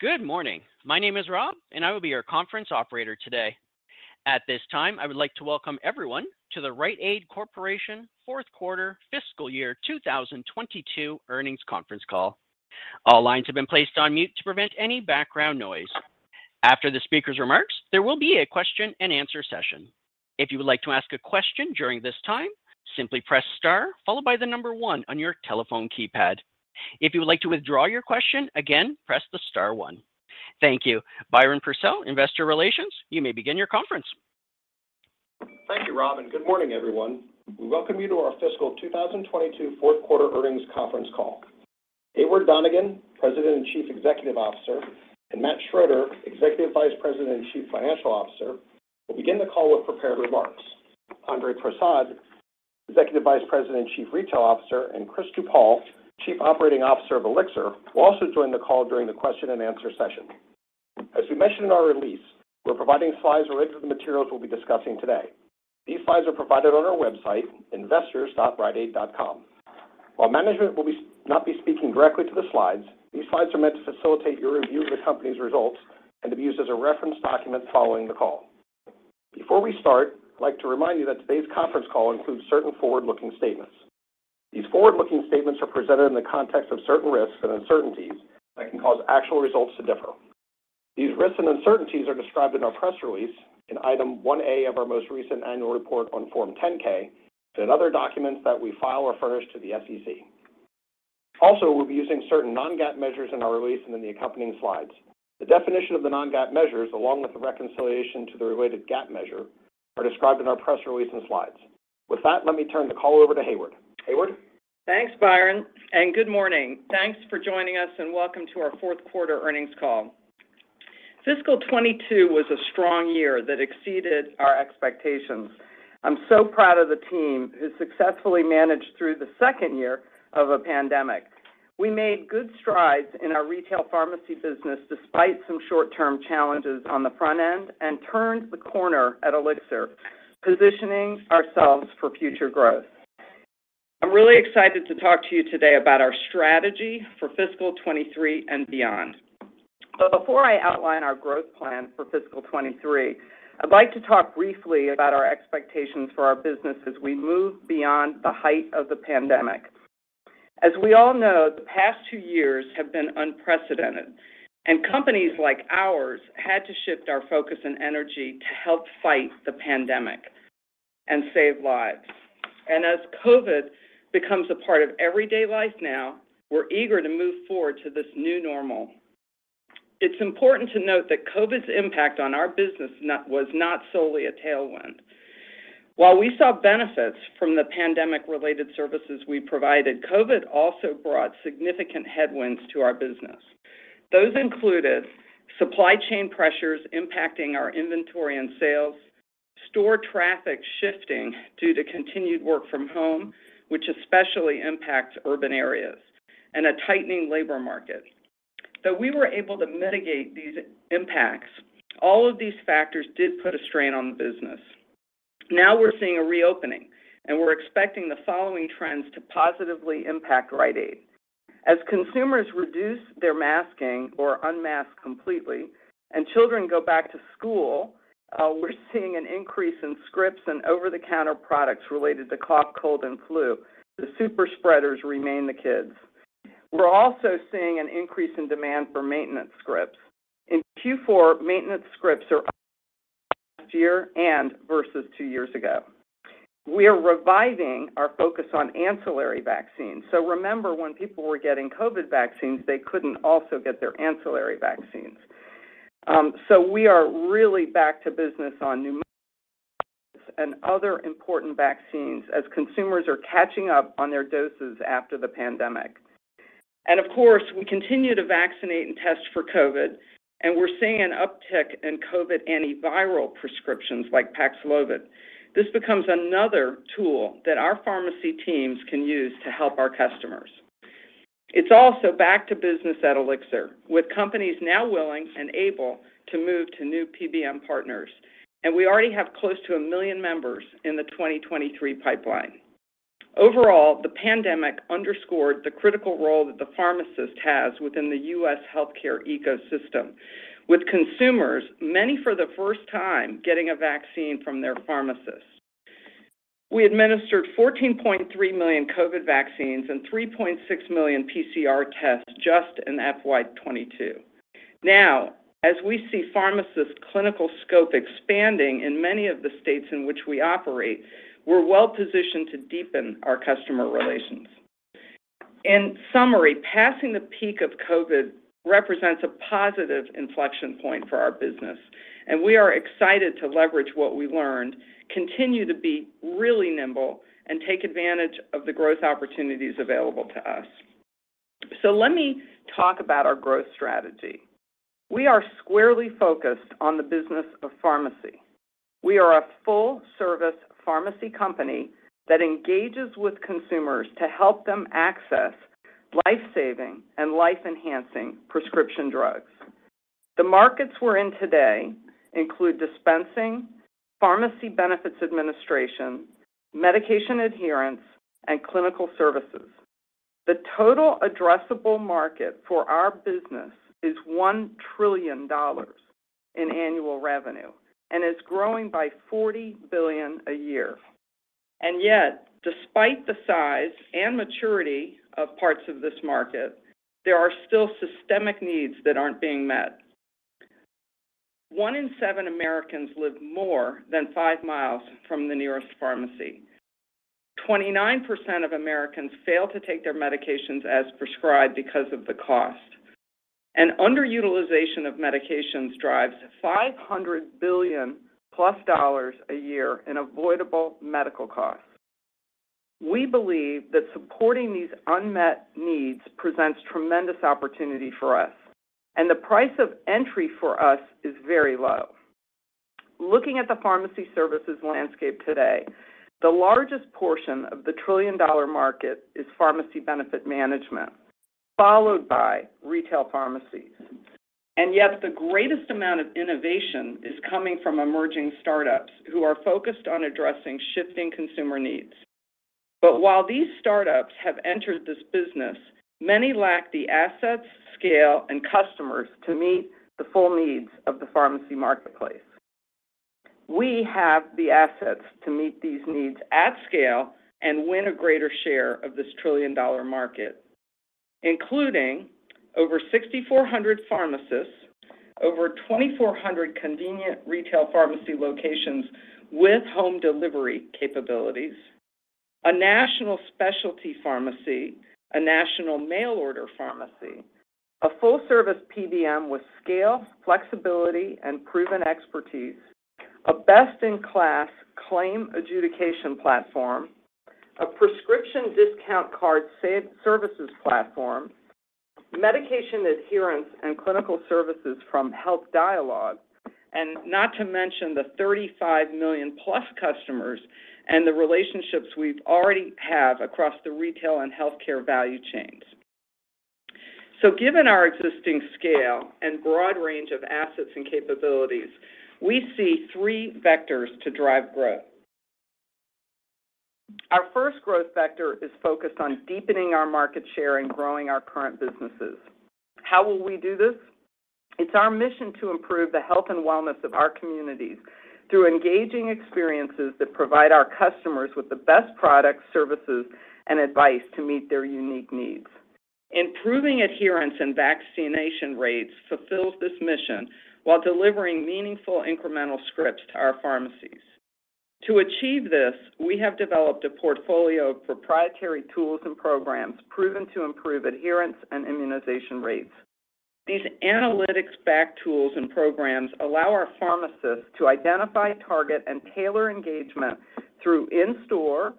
Good morning. My name is Rob, and I will be your conference operator today. At this time, I would like to welcome everyone to the Rite Aid Corporation fourth quarter fiscal year 2022 earnings conference call. All lines have been placed on mute to prevent any background noise. After the speaker's remarks, there will be a question-and-answer session. If you would like to ask a question during this time, simply press star followed by the number one on your telephone keypad. If you would like to withdraw your question, again, press the star one. Thank you. Byron Purcell, Investor Relations, you may begin your conference. Thank you, Rob, and good morning, everyone. We welcome you to our fiscal 2022 fourth quarter earnings conference call. Heyward Donigan, President and Chief Executive Officer, and Matt Schroeder, Executive Vice President and Chief Financial Officer, will begin the call with prepared remarks. Andre Persaud, Executive Vice President and Chief Retail Officer, and Chris DuPaul, Chief Operating Officer of Elixir, will also join the call during the question-and-answer session. As we mentioned in our release, we're providing slides related to the materials we'll be discussing today. These slides are provided on our website, investors.riteaid.com. While management will not be speaking directly to the slides, these slides are meant to facilitate your review of the company's results and to be used as a reference document following the call. Before we start, I'd like to remind you that today's conference call includes certain forward-looking statements. These forward-looking statements are presented in the context of certain risks and uncertainties that can cause actual results to differ. These risks and uncertainties are described in our press release in Item 1A of our most recent annual report on Form 10-K and other documents that we file or furnish to the SEC. Also, we'll be using certain non-GAAP measures in our release and in the accompanying slides. The definition of the non-GAAP measures, along with the reconciliation to the related GAAP measure, are described in our press release and slides. With that, let me turn the call over to Heyward. Heyward? Thanks, Byron, and good morning. Thanks for joining us, and welcome to our fourth quarter earnings call. Fiscal 2022 was a strong year that exceeded our expectations. I'm so proud of the team who successfully managed through the second year of a pandemic. We made good strides in our retail pharmacy business despite some short-term challenges on the front end and turned the corner at Elixir, positioning ourselves for future growth. I'm really excited to talk to you today about our strategy for fiscal 2023 and beyond. Before I outline our growth plan for fiscal 2023, I'd like to talk briefly about our expectations for our business as we move beyond the height of the pandemic. As we all know, the past two years have been unprecedented, and companies like ours had to shift our focus and energy to help fight the pandemic and save lives. As COVID becomes a part of everyday life now, we're eager to move forward to this new normal. It's important to note that COVID's impact on our business was not solely a tailwind. While we saw benefits from the pandemic-related services we provided, COVID also brought significant headwinds to our business. Those included supply chain pressures impacting our inventory and sales, store traffic shifting due to continued work from home, which especially impacts urban areas, and a tightening labor market. Though we were able to mitigate these impacts, all of these factors did put a strain on the business. Now we're seeing a reopening, and we're expecting the following trends to positively impact Rite Aid. As consumers reduce their masking or unmask completely and children go back to school, we're seeing an increase in scripts and over-the-counter products related to cough, cold, and flu. The super spreaders remain the kids. We're also seeing an increase in demand for maintenance scripts. In Q4, maintenance scripts are up last year and versus two years ago. We are reviving our focus on ancillary vaccines. Remember, when people were getting COVID vaccines, they couldn't also get their ancillary vaccines. We are really back to business on pneumonia and other important vaccines as consumers are catching up on their doses after the pandemic. Of course, we continue to vaccinate and test for COVID, and we're seeing an uptick in COVID antiviral prescriptions like Paxlovid. This becomes another tool that our pharmacy teams can use to help our customers. It's also back to business at Elixir, with companies now willing and able to move to new PBM partners, and we already have close to a million members in the 2023 pipeline. Overall, the pandemic underscored the critical role that the pharmacist has within the U.S. healthcare ecosystem, with consumers, many for the first time, getting a vaccine from their pharmacist. We administered 14.3 million COVID vaccines and 3.6 million PCR tests just in FY 2022. Now, as we see pharmacist clinical scope expanding in many of the states in which we operate, we're well-positioned to deepen our customer relations. In summary, passing the peak of COVID represents a positive inflection point for our business, and we are excited to leverage what we learned, continue to be really nimble, and take advantage of the growth opportunities available to us. Let me talk about our growth strategy. We are squarely focused on the business of pharmacy. We are a full-service pharmacy company that engages with consumers to help them access life-saving and life-enhancing prescription drugs. The markets we're in today include dispensing, pharmacy benefits administration, medication adherence, and clinical services. The total addressable market for our business is $1 trillion in annual revenue and is growing by $40 billion a year. Yet, despite the size and maturity of parts of this market, there are still systemic needs that aren't being met. One in seven Americans live more than 5 mi from the nearest pharmacy. 29% of Americans fail to take their medications as prescribed because of the cost. Underutilization of medications drives $500 billion+ a year in avoidable medical costs. We believe that supporting these unmet needs presents tremendous opportunity for us, and the price of entry for us is very low. Looking at the pharmacy services landscape today, the largest portion of the trillion-dollar market is pharmacy benefit management, followed by retail pharmacies. The greatest amount of innovation is coming from emerging startups who are focused on addressing shifting consumer needs. While these startups have entered this business, many lack the assets, scale, and customers to meet the full needs of the pharmacy marketplace. We have the assets to meet these needs at scale and win a greater share of this trillion-dollar market, including over 6,400 pharmacists, over 2,400 convenient retail pharmacy locations with home delivery capabilities, a national specialty pharmacy, a national mail order pharmacy, a full-service PBM with scale, flexibility, and proven expertise, a best-in-class claim adjudication platform, a prescription discount card services platform, medication adherence and clinical services from Health Dialog, and not to mention the 35 million+ customers and the relationships we already have across the retail and healthcare value chains. Given our existing scale and broad range of assets and capabilities, we see three vectors to drive growth. Our first growth vector is focused on deepening our market share and growing our current businesses. How will we do this? It's our mission to improve the health and wellness of our communities through engaging experiences that provide our customers with the best products, services, and advice to meet their unique needs. Improving adherence and vaccination rates fulfills this mission while delivering meaningful incremental scripts to our pharmacies. To achieve this, we have developed a portfolio of proprietary tools and programs proven to improve adherence and immunization rates. These analytics-backed tools and programs allow our pharmacists to identify, target, and tailor engagement through in-store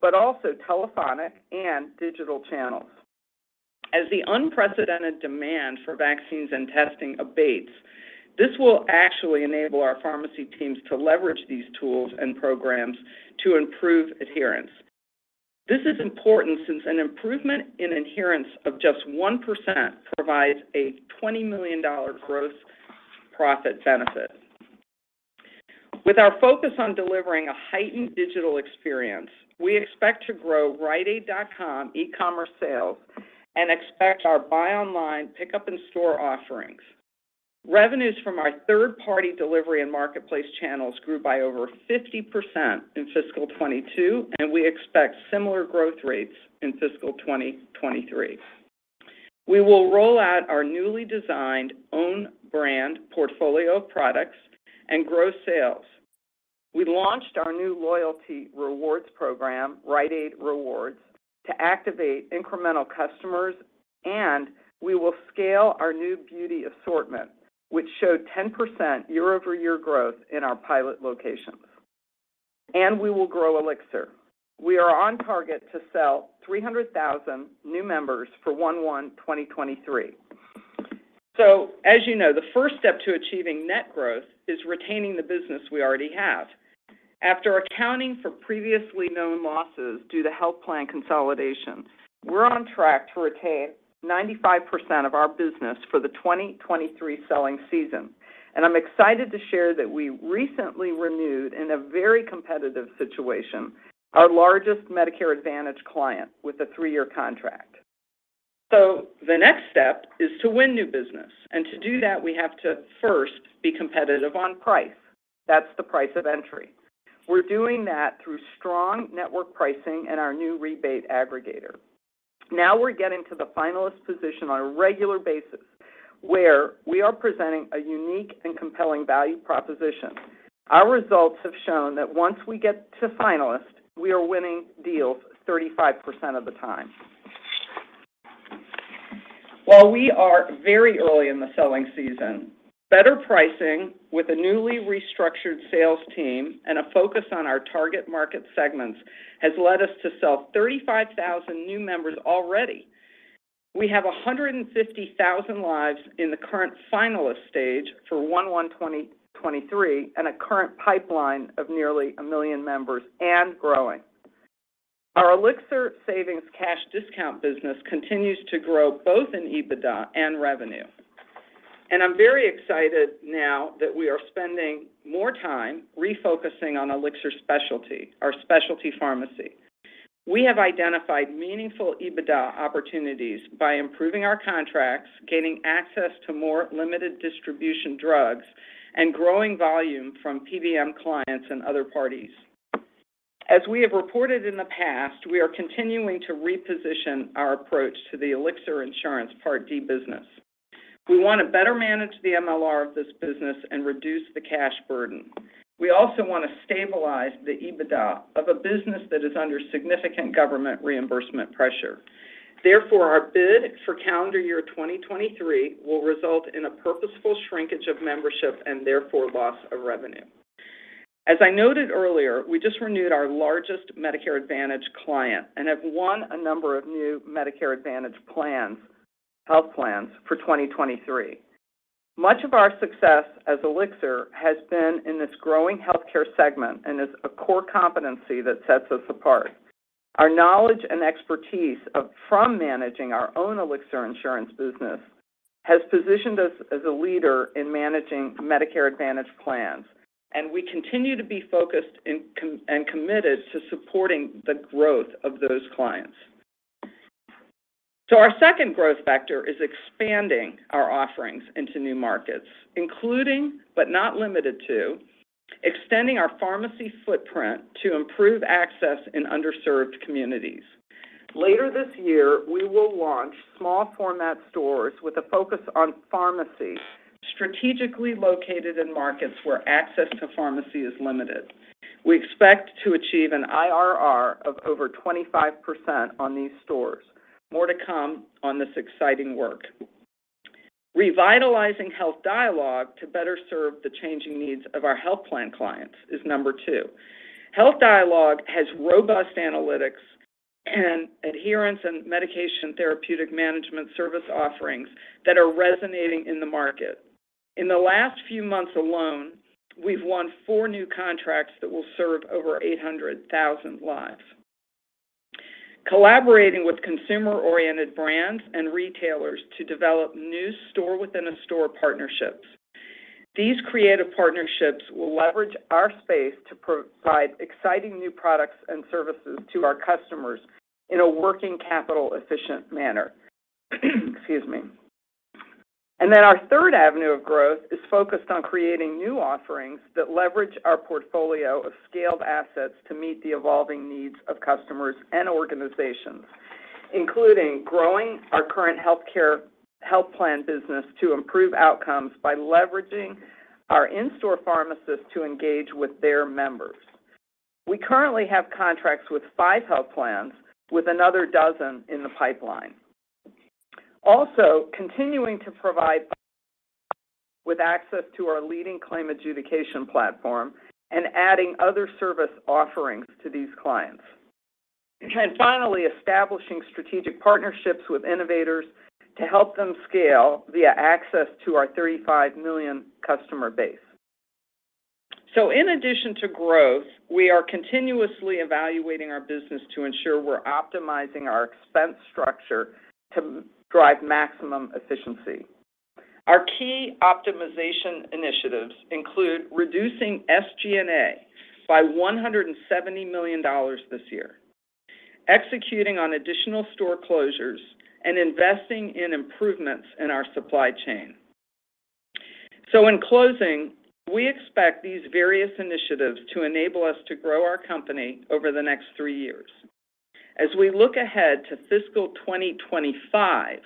but also telephonic and digital channels. As the unprecedented demand for vaccines and testing abates, this will actually enable our pharmacy teams to leverage these tools and programs to improve adherence. This is important since an improvement in adherence of just 1% provides a $20 million gross profit benefit. With our focus on delivering a heightened digital experience, we expect to grow riteaid.com e-commerce sales and expect our buy online, pickup in store offerings. Revenues from our third-party delivery and marketplace channels grew by over 50% in fiscal 2022, and we expect similar growth rates in fiscal 2023. We will roll out our newly designed own brand portfolio of products and grow sales. We launched our new loyalty rewards program, Rite Aid Rewards, to activate incremental customers, and we will scale our new beauty assortment, which showed 10% year-over-year growth in our pilot locations. We will grow Elixir. We are on target to sell 300,000 new members for 01/01/2023. As you know, the first step to achieving net growth is retaining the business we already have. After accounting for previously known losses due to health plan consolidations, we're on track to retain 95% of our business for the 2023 selling season. I'm excited to share that we recently renewed, in a very competitive situation, our largest Medicare Advantage client with a three-year contract. The next step is to win new business, and to do that, we have to first be competitive on price. That's the price of entry. We're doing that through strong network pricing and our new rebate aggregator. Now we're getting to the finalist position on a regular basis where we are presenting a unique and compelling value proposition. Our results have shown that once we get to finalist, we are winning deals 35% of the time. While we are very early in the selling season, better pricing with a newly restructured sales team and a focus on our target market segments has led us to sell 35,000 new members already. We have 150,000 lives in the current finalist stage for 01/01/2023 and a current pipeline of nearly a million members and growing. Our Elixir Savings Cash Discount business continues to grow both in EBITDA and revenue. I'm very excited now that we are spending more time refocusing on Elixir Specialty, our specialty pharmacy. We have identified meaningful EBITDA opportunities by improving our contracts, gaining access to more limited distribution drugs, and growing volume from PBM clients and other parties. As we have reported in the past, we are continuing to reposition our approach to the Elixir Insurance Part D business. We want to better manage the MLR of this business and reduce the cash burden. We also want to stabilize the EBITDA of a business that is under significant government reimbursement pressure. Therefore, our bid for calendar year 2023 will result in a purposeful shrinkage of membership and therefore loss of revenue. As I noted earlier, we just renewed our largest Medicare Advantage client and have won a number of new Medicare Advantage plans, health plans for 2023. Much of our success as Elixir has been in this growing healthcare segment and is a core competency that sets us apart. Our knowledge and expertise of managing our own Elixir Insurance business has positioned us as a leader in managing Medicare Advantage plans, and we continue to be focused and committed to supporting the growth of those clients. Our second growth vector is expanding our offerings into new markets, including, but not limited to, extending our pharmacy footprint to improve access in underserved communities. Later this year, we will launch small format stores with a focus on pharmacy, strategically located in markets where access to pharmacy is limited. We expect to achieve an IRR of over 25% on these stores. More to come on this exciting work. Revitalizing Health Dialog to better serve the changing needs of our health plan clients is number two. Health Dialog has robust analytics and adherence in Medication Therapeutic Management service offerings that are resonating in the market. In the last few months alone, we've won four new contracts that will serve over 800,000 lives. Collaborating with consumer-oriented brands and retailers to develop new store-within-a-store partnerships. These creative partnerships will leverage our space to provide exciting new products and services to our customers in a working capital efficient manner. Excuse me. Our third avenue of growth is focused on creating new offerings that leverage our portfolio of scaled assets to meet the evolving needs of customers and organizations, including growing our current healthcare health plan business to improve outcomes by leveraging our in-store pharmacists to engage with their members. We currently have contracts with five health plans, with another 12 in the pipeline. Also, continuing to provide with access to our leading claim adjudication platform and adding other service offerings to these clients. Finally, establishing strategic partnerships with innovators to help them scale via access to our 35 million customer base. In addition to growth, we are continuously evaluating our business to ensure we're optimizing our expense structure to drive maximum efficiency. Our key optimization initiatives include reducing SG&A by $170 million this year, executing on additional store closures, and investing in improvements in our supply chain. In closing, we expect these various initiatives to enable us to grow our company over the next three years. As we look ahead to fiscal 2025,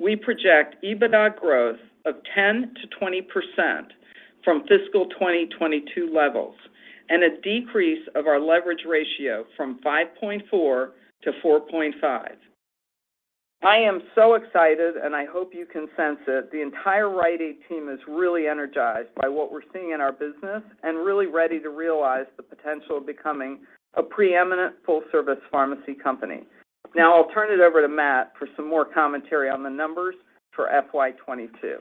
we project EBITDA growth of 10%-20% from fiscal 2022 levels and a decrease of our leverage ratio from 5.4 to 4.5. I am so excited, and I hope you can sense it. The entire Rite Aid team is really energized by what we're seeing in our business and really ready to realize the potential of becoming a preeminent full-service pharmacy company. Now, I'll turn it over to Matt for some more commentary on the numbers for FY 2022.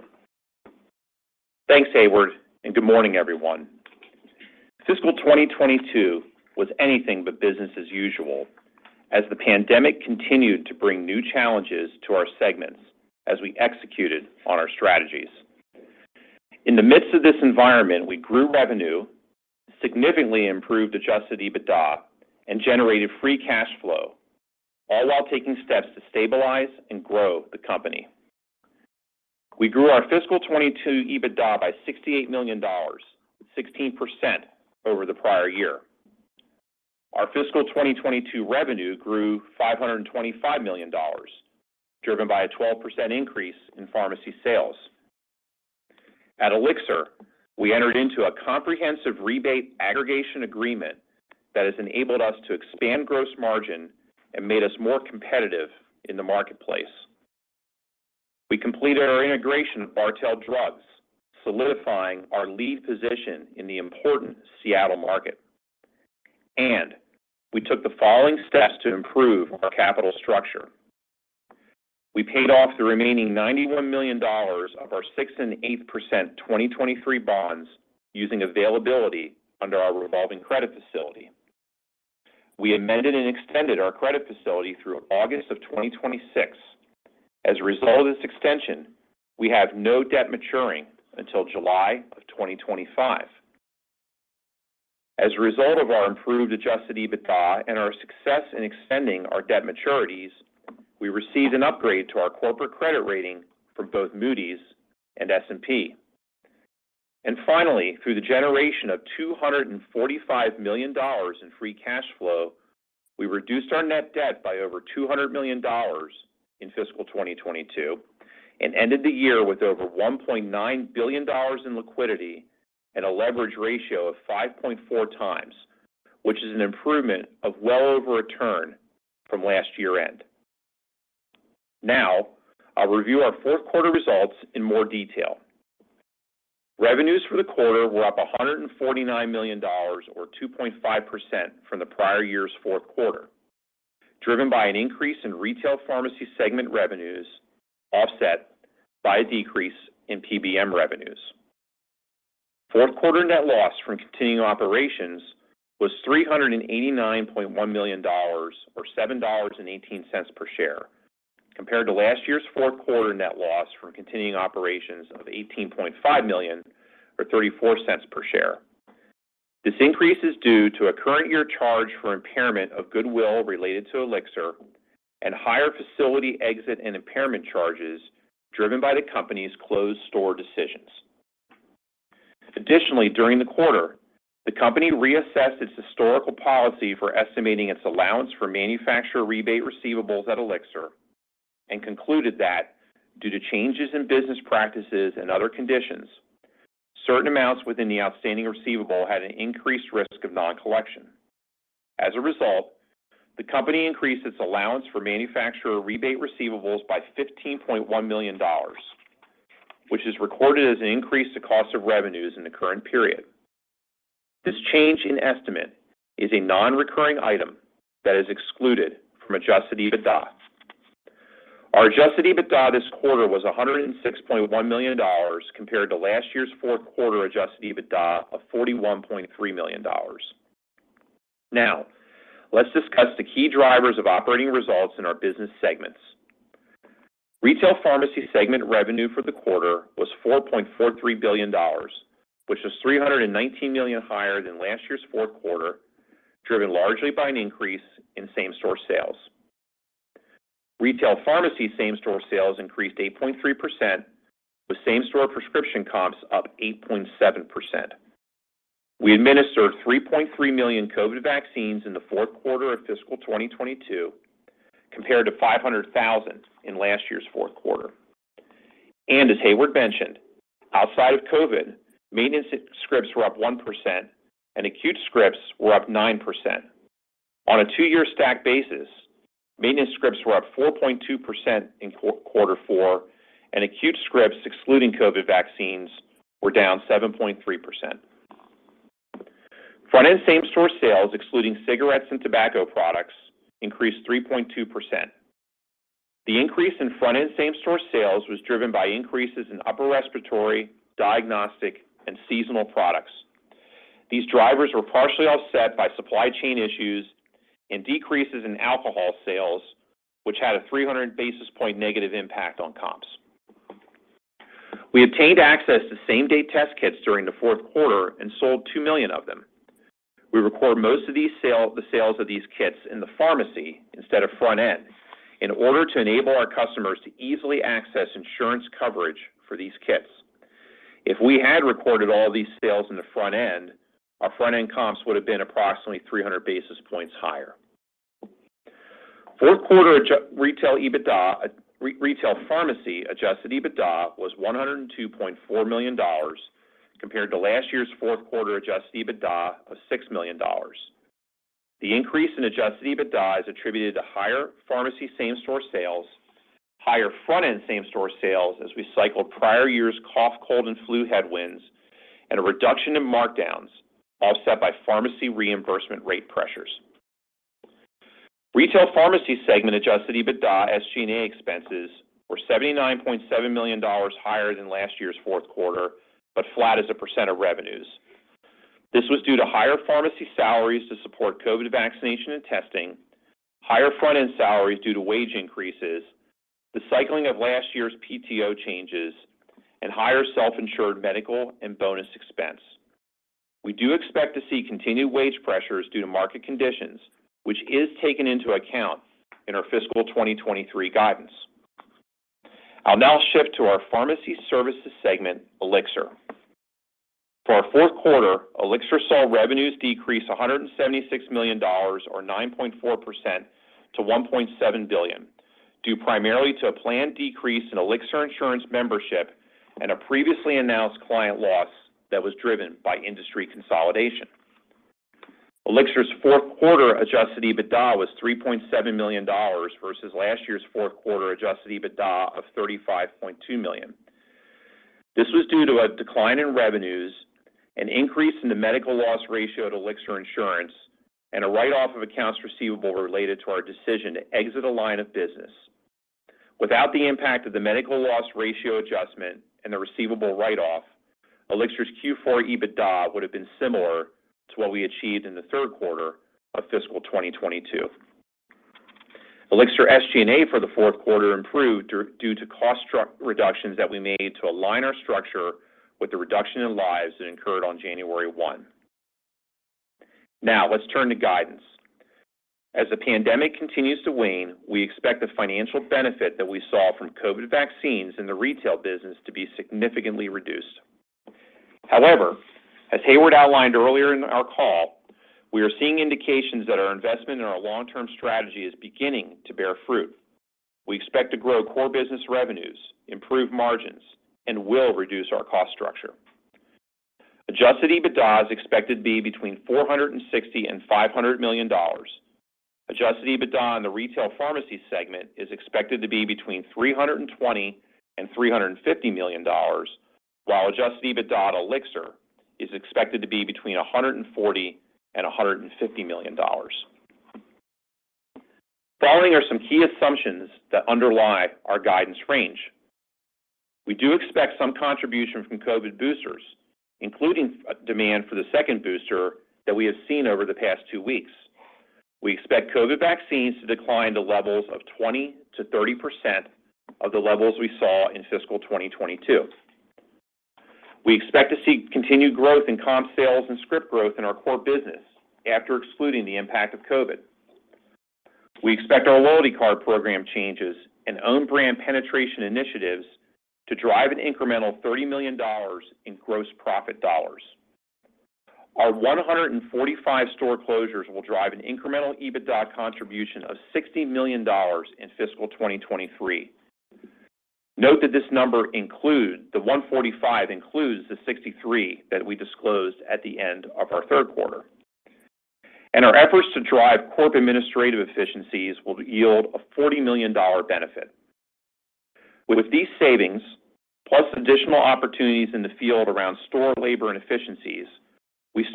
Thanks, Heyward, and good morning, everyone. Fiscal 2022 was anything but business as usual as the pandemic continued to bring new challenges to our segments as we executed on our strategies. In the midst of this environment, we grew revenue, significantly improved adjusted EBITDA, and generated free cash flow, all while taking steps to stabilize and grow the company. We grew our fiscal 2022 EBITDA by $68 million, 16% over the prior year. Our fiscal 2022 revenue grew $525 million, driven by a 12% increase in pharmacy sales. At Elixir, we entered into a comprehensive rebate aggregation agreement that has enabled us to expand gross margin and made us more competitive in the marketplace. We completed our integration of Bartell Drugs, solidifying our lead position in the important Seattle market. We took the following steps to improve our capital structure. We paid off the remaining $91 million of our 6% and 8% 2023 bonds using availability under our revolving credit facility. We amended and extended our credit facility through August of 2026. As a result of this extension, we have no debt maturing until July of 2025. As a result of our improved adjusted EBITDA and our success in extending our debt maturities, we received an upgrade to our corporate credit rating from both Moody's and S&P. Finally, through the generation of $245 million in free cash flow, we reduced our net debt by over $200 million in fiscal 2022 and ended the year with over $1.9 billion in liquidity and a leverage ratio of 5.4x, which is an improvement of well over a turn from last year-end. Now, I'll review our fourth quarter results in more detail. Revenues for the quarter were up $149 million or 2.5% from the prior year's fourth quarter, driven by an increase in Retail Pharmacy segment revenues offset by a decrease in PBM revenues. Fourth quarter net loss from continuing operations was $389.1 million or $7.18 per share, compared to last year's fourth quarter net loss from continuing operations of $18.5 million or $0.34 per share. This increase is due to a current year charge for impairment of goodwill related to Elixir and higher facility exit and impairment charges driven by the company's closed store decisions. Additionally, during the quarter, the company reassessed its historical policy for estimating its allowance for manufacturer rebate receivables at Elixir and concluded that due to changes in business practices and other conditions, certain amounts within the outstanding receivable had an increased risk of non-collection. As a result, the company increased its allowance for manufacturer rebate receivables by $15.1 million, which is recorded as an increase to cost of revenues in the current period. This change in estimate is a non-recurring item that is excluded from adjusted EBITDA. Our adjusted EBITDA this quarter was $106.1 million compared to last year's fourth quarter adjusted EBITDA of $41.3 million. Now, let's discuss the key drivers of operating results in our business segments. Retail Pharmacy segment revenue for the quarter was $4.43 billion, which was $319 million higher than last year's fourth quarter, driven largely by an increase in same-store sales. Retail Pharmacy same-store sales increased 8.3%, with same-store prescription comps up 8.7%. We administered 3.3 million COVID vaccines in the fourth quarter of fiscal 2022, compared to 500,000 in last year's fourth quarter. As Heyward mentioned, outside of COVID, maintenance scripts were up 1%, and acute scripts were up 9%. On a two-year stack basis, maintenance scripts were up 4.2% in quarter four, and acute scripts, excluding COVID vaccines, were down 7.3%. Front-end same-store sales, excluding cigarettes and tobacco products, increased 3.2%. The increase in front-end same-store sales was driven by increases in upper respiratory, diagnostic, and seasonal products. These drivers were partially offset by supply chain issues and decreases in alcohol sales, which had a 300 basis point negative impact on comps. We obtained access to same-day test kits during the fourth quarter and sold 2 million of them. We record most of the sales of these kits in the pharmacy instead of front end in order to enable our customers to easily access insurance coverage for these kits. If we had recorded all these sales in the front end, our front-end comps would have been approximately 300 basis points higher. Fourth quarter retail EBITDA. Retail Pharmacy adjusted EBITDA was $102.4 million compared to last year's fourth quarter adjusted EBITDA of $6 million. The increase in adjusted EBITDA is attributed to higher Pharmacy same-store sales, higher front-end same-store sales as we cycled prior year's cough, cold, and flu headwinds, and a reduction in markdowns offset by pharmacy reimbursement rate pressures. Retail Pharmacy segment adjusted EBITDA, SG&A expenses were $79.7 million higher than last year's fourth quarter, but flat as a percent of revenues. This was due to higher pharmacy salaries to support COVID vaccination and testing, higher front-end salaries due to wage increases, the cycling of last year's PTO changes, and higher self-insured medical and bonus expense. We do expect to see continued wage pressures due to market conditions, which is taken into account in our fiscal 2023 guidance. I'll now shift to our Pharmacy Services segment, Elixir. For our fourth quarter, Elixir saw revenues decrease $176 million or 9.4% to $1.7 billion, due primarily to a planned decrease in Elixir insurance membership and a previously announced client loss that was driven by industry consolidation. Elixir's fourth quarter adjusted EBITDA was $3.7 million versus last year's fourth quarter adjusted EBITDA of $35.2 million. This was due to a decline in revenues, an increase in the medical loss ratio at Elixir Insurance, and a write-off of accounts receivable related to our decision to exit a line of business. Without the impact of the medical loss ratio adjustment and the receivable write-off, Elixir's Q4 EBITDA would have been similar to what we achieved in the third quarter of fiscal 2022. Elixir SG&A for the fourth quarter improved due to cost reductions that we made to align our structure with the reduction in lives that incurred on January 1. Now let's turn to guidance. As the pandemic continues to wane, we expect the financial benefit that we saw from COVID vaccines in the retail business to be significantly reduced. However, as Heyward outlined earlier in our call, we are seeing indications that our investment in our long-term strategy is beginning to bear fruit. We expect to grow core business revenues, improve margins, and will reduce our cost structure. Adjusted EBITDA is expected to be between $460 million and $500 million. Adjusted EBITDA in the retail pharmacy segment is expected to be between $320 million and $350 million, while adjusted EBITDA at Elixir is expected to be between $140 million and $150 million. Following are some key assumptions that underlie our guidance range. We do expect some contribution from COVID boosters, including demand for the second booster that we have seen over the past two weeks. We expect COVID vaccines to decline to levels of 20%-30% of the levels we saw in fiscal 2022. We expect to see continued growth in comp sales and script growth in our core business after excluding the impact of COVID. We expect our loyalty card program changes and own brand penetration initiatives to drive an incremental $30 million in gross profit dollars. Our 145 store closures will drive an incremental EBITDA contribution of $60 million in fiscal 2023. Note that the 145 includes the 63 that we disclosed at the end of our third quarter. Our efforts to drive corporate administrative efficiencies will yield a $40 million benefit. With these savings, plus additional opportunities in the field around store labor and efficiencies, we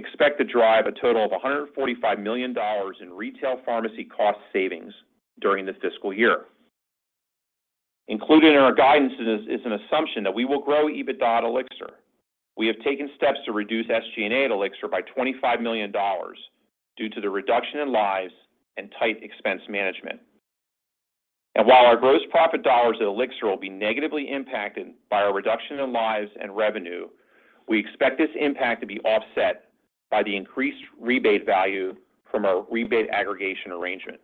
expect to drive a total of $145 million in retail pharmacy cost savings during this fiscal year. Included in our guidance is an assumption that we will grow EBITDA at Elixir. We have taken steps to reduce SG&A at Elixir by $25 million due to the reduction in lives and tight expense management. While our gross profit dollars at Elixir will be negatively impacted by our reduction in lives and revenue, we expect this impact to be offset by the increased rebate value from our rebate aggregation arrangement.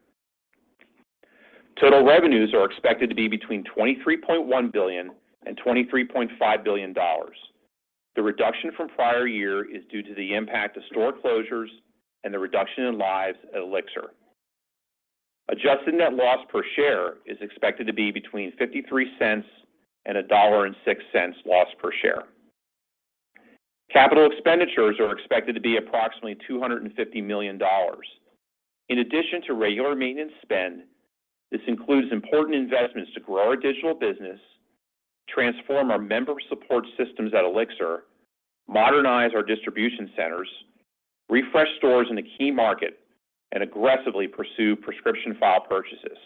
Total revenues are expected to be between $23.1 billion and $23.5 billion. The reduction from prior year is due to the impact of store closures and the reduction in lives at Elixir. Adjusted net loss per share is expected to be between $0.53 and $1.06 loss per share. Capital expenditures are expected to be approximately $250 million. In addition to regular maintenance spend, this includes important investments to grow our digital business, transform our member support systems at Elixir, modernize our distribution centers, refresh stores in a key market, and aggressively pursue prescription file purchases.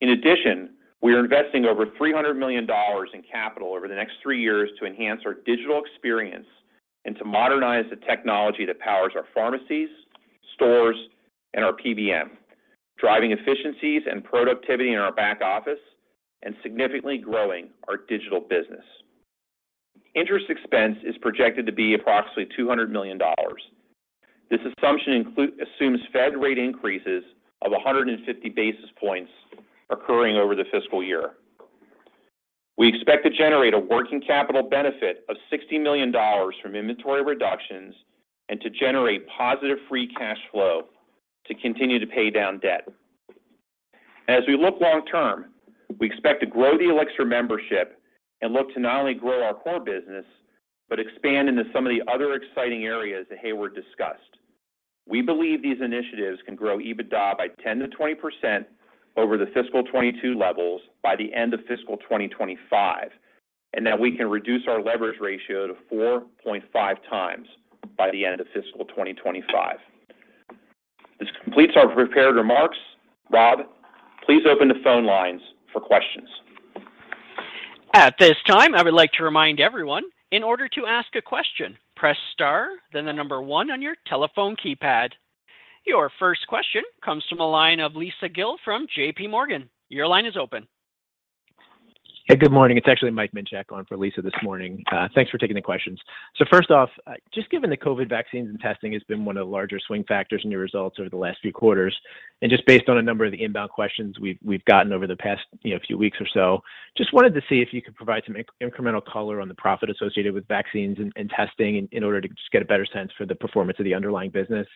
In addition, we are investing over $300 million in capital over the next three years to enhance our digital experience and to modernize the technology that powers our pharmacies, stores, and our PBM, driving efficiencies and productivity in our back office and significantly growing our digital business. Interest expense is projected to be approximately $200 million. This assumption assumes Fed rate increases of 150 basis points occurring over the fiscal year. We expect to generate a working capital benefit of $60 million from inventory reductions and to generate positive free cash flow to continue to pay down debt. As we look long term, we expect to grow the Elixir membership and look to not only grow our core business, but expand into some of the other exciting areas that Heyward discussed. We believe these initiatives can grow EBITDA by 10%-20% over the fiscal 2022 levels by the end of fiscal 2025, and that we can reduce our leverage ratio to 4.5x by the end of fiscal 2025. This completes our prepared remarks. Rob, please open the phone lines for questions. At this time, I would like to remind everyone, in order to ask a question, press star, then the number one on your telephone keypad. Your first question comes from the line of Lisa Gill from JPMorgan. Your line is open. Hey, good morning. It's actually Mike Minchak on for Lisa this morning. Thanks for taking the questions. First off, just given the COVID vaccines and testing has been one of the larger swing factors in your results over the last few quarters, and just based on a number of the inbound questions we've gotten over the past, you know, few weeks or so, just wanted to see if you could provide some incremental color on the profit associated with vaccines and testing in order to just get a better sense for the performance of the underlying business.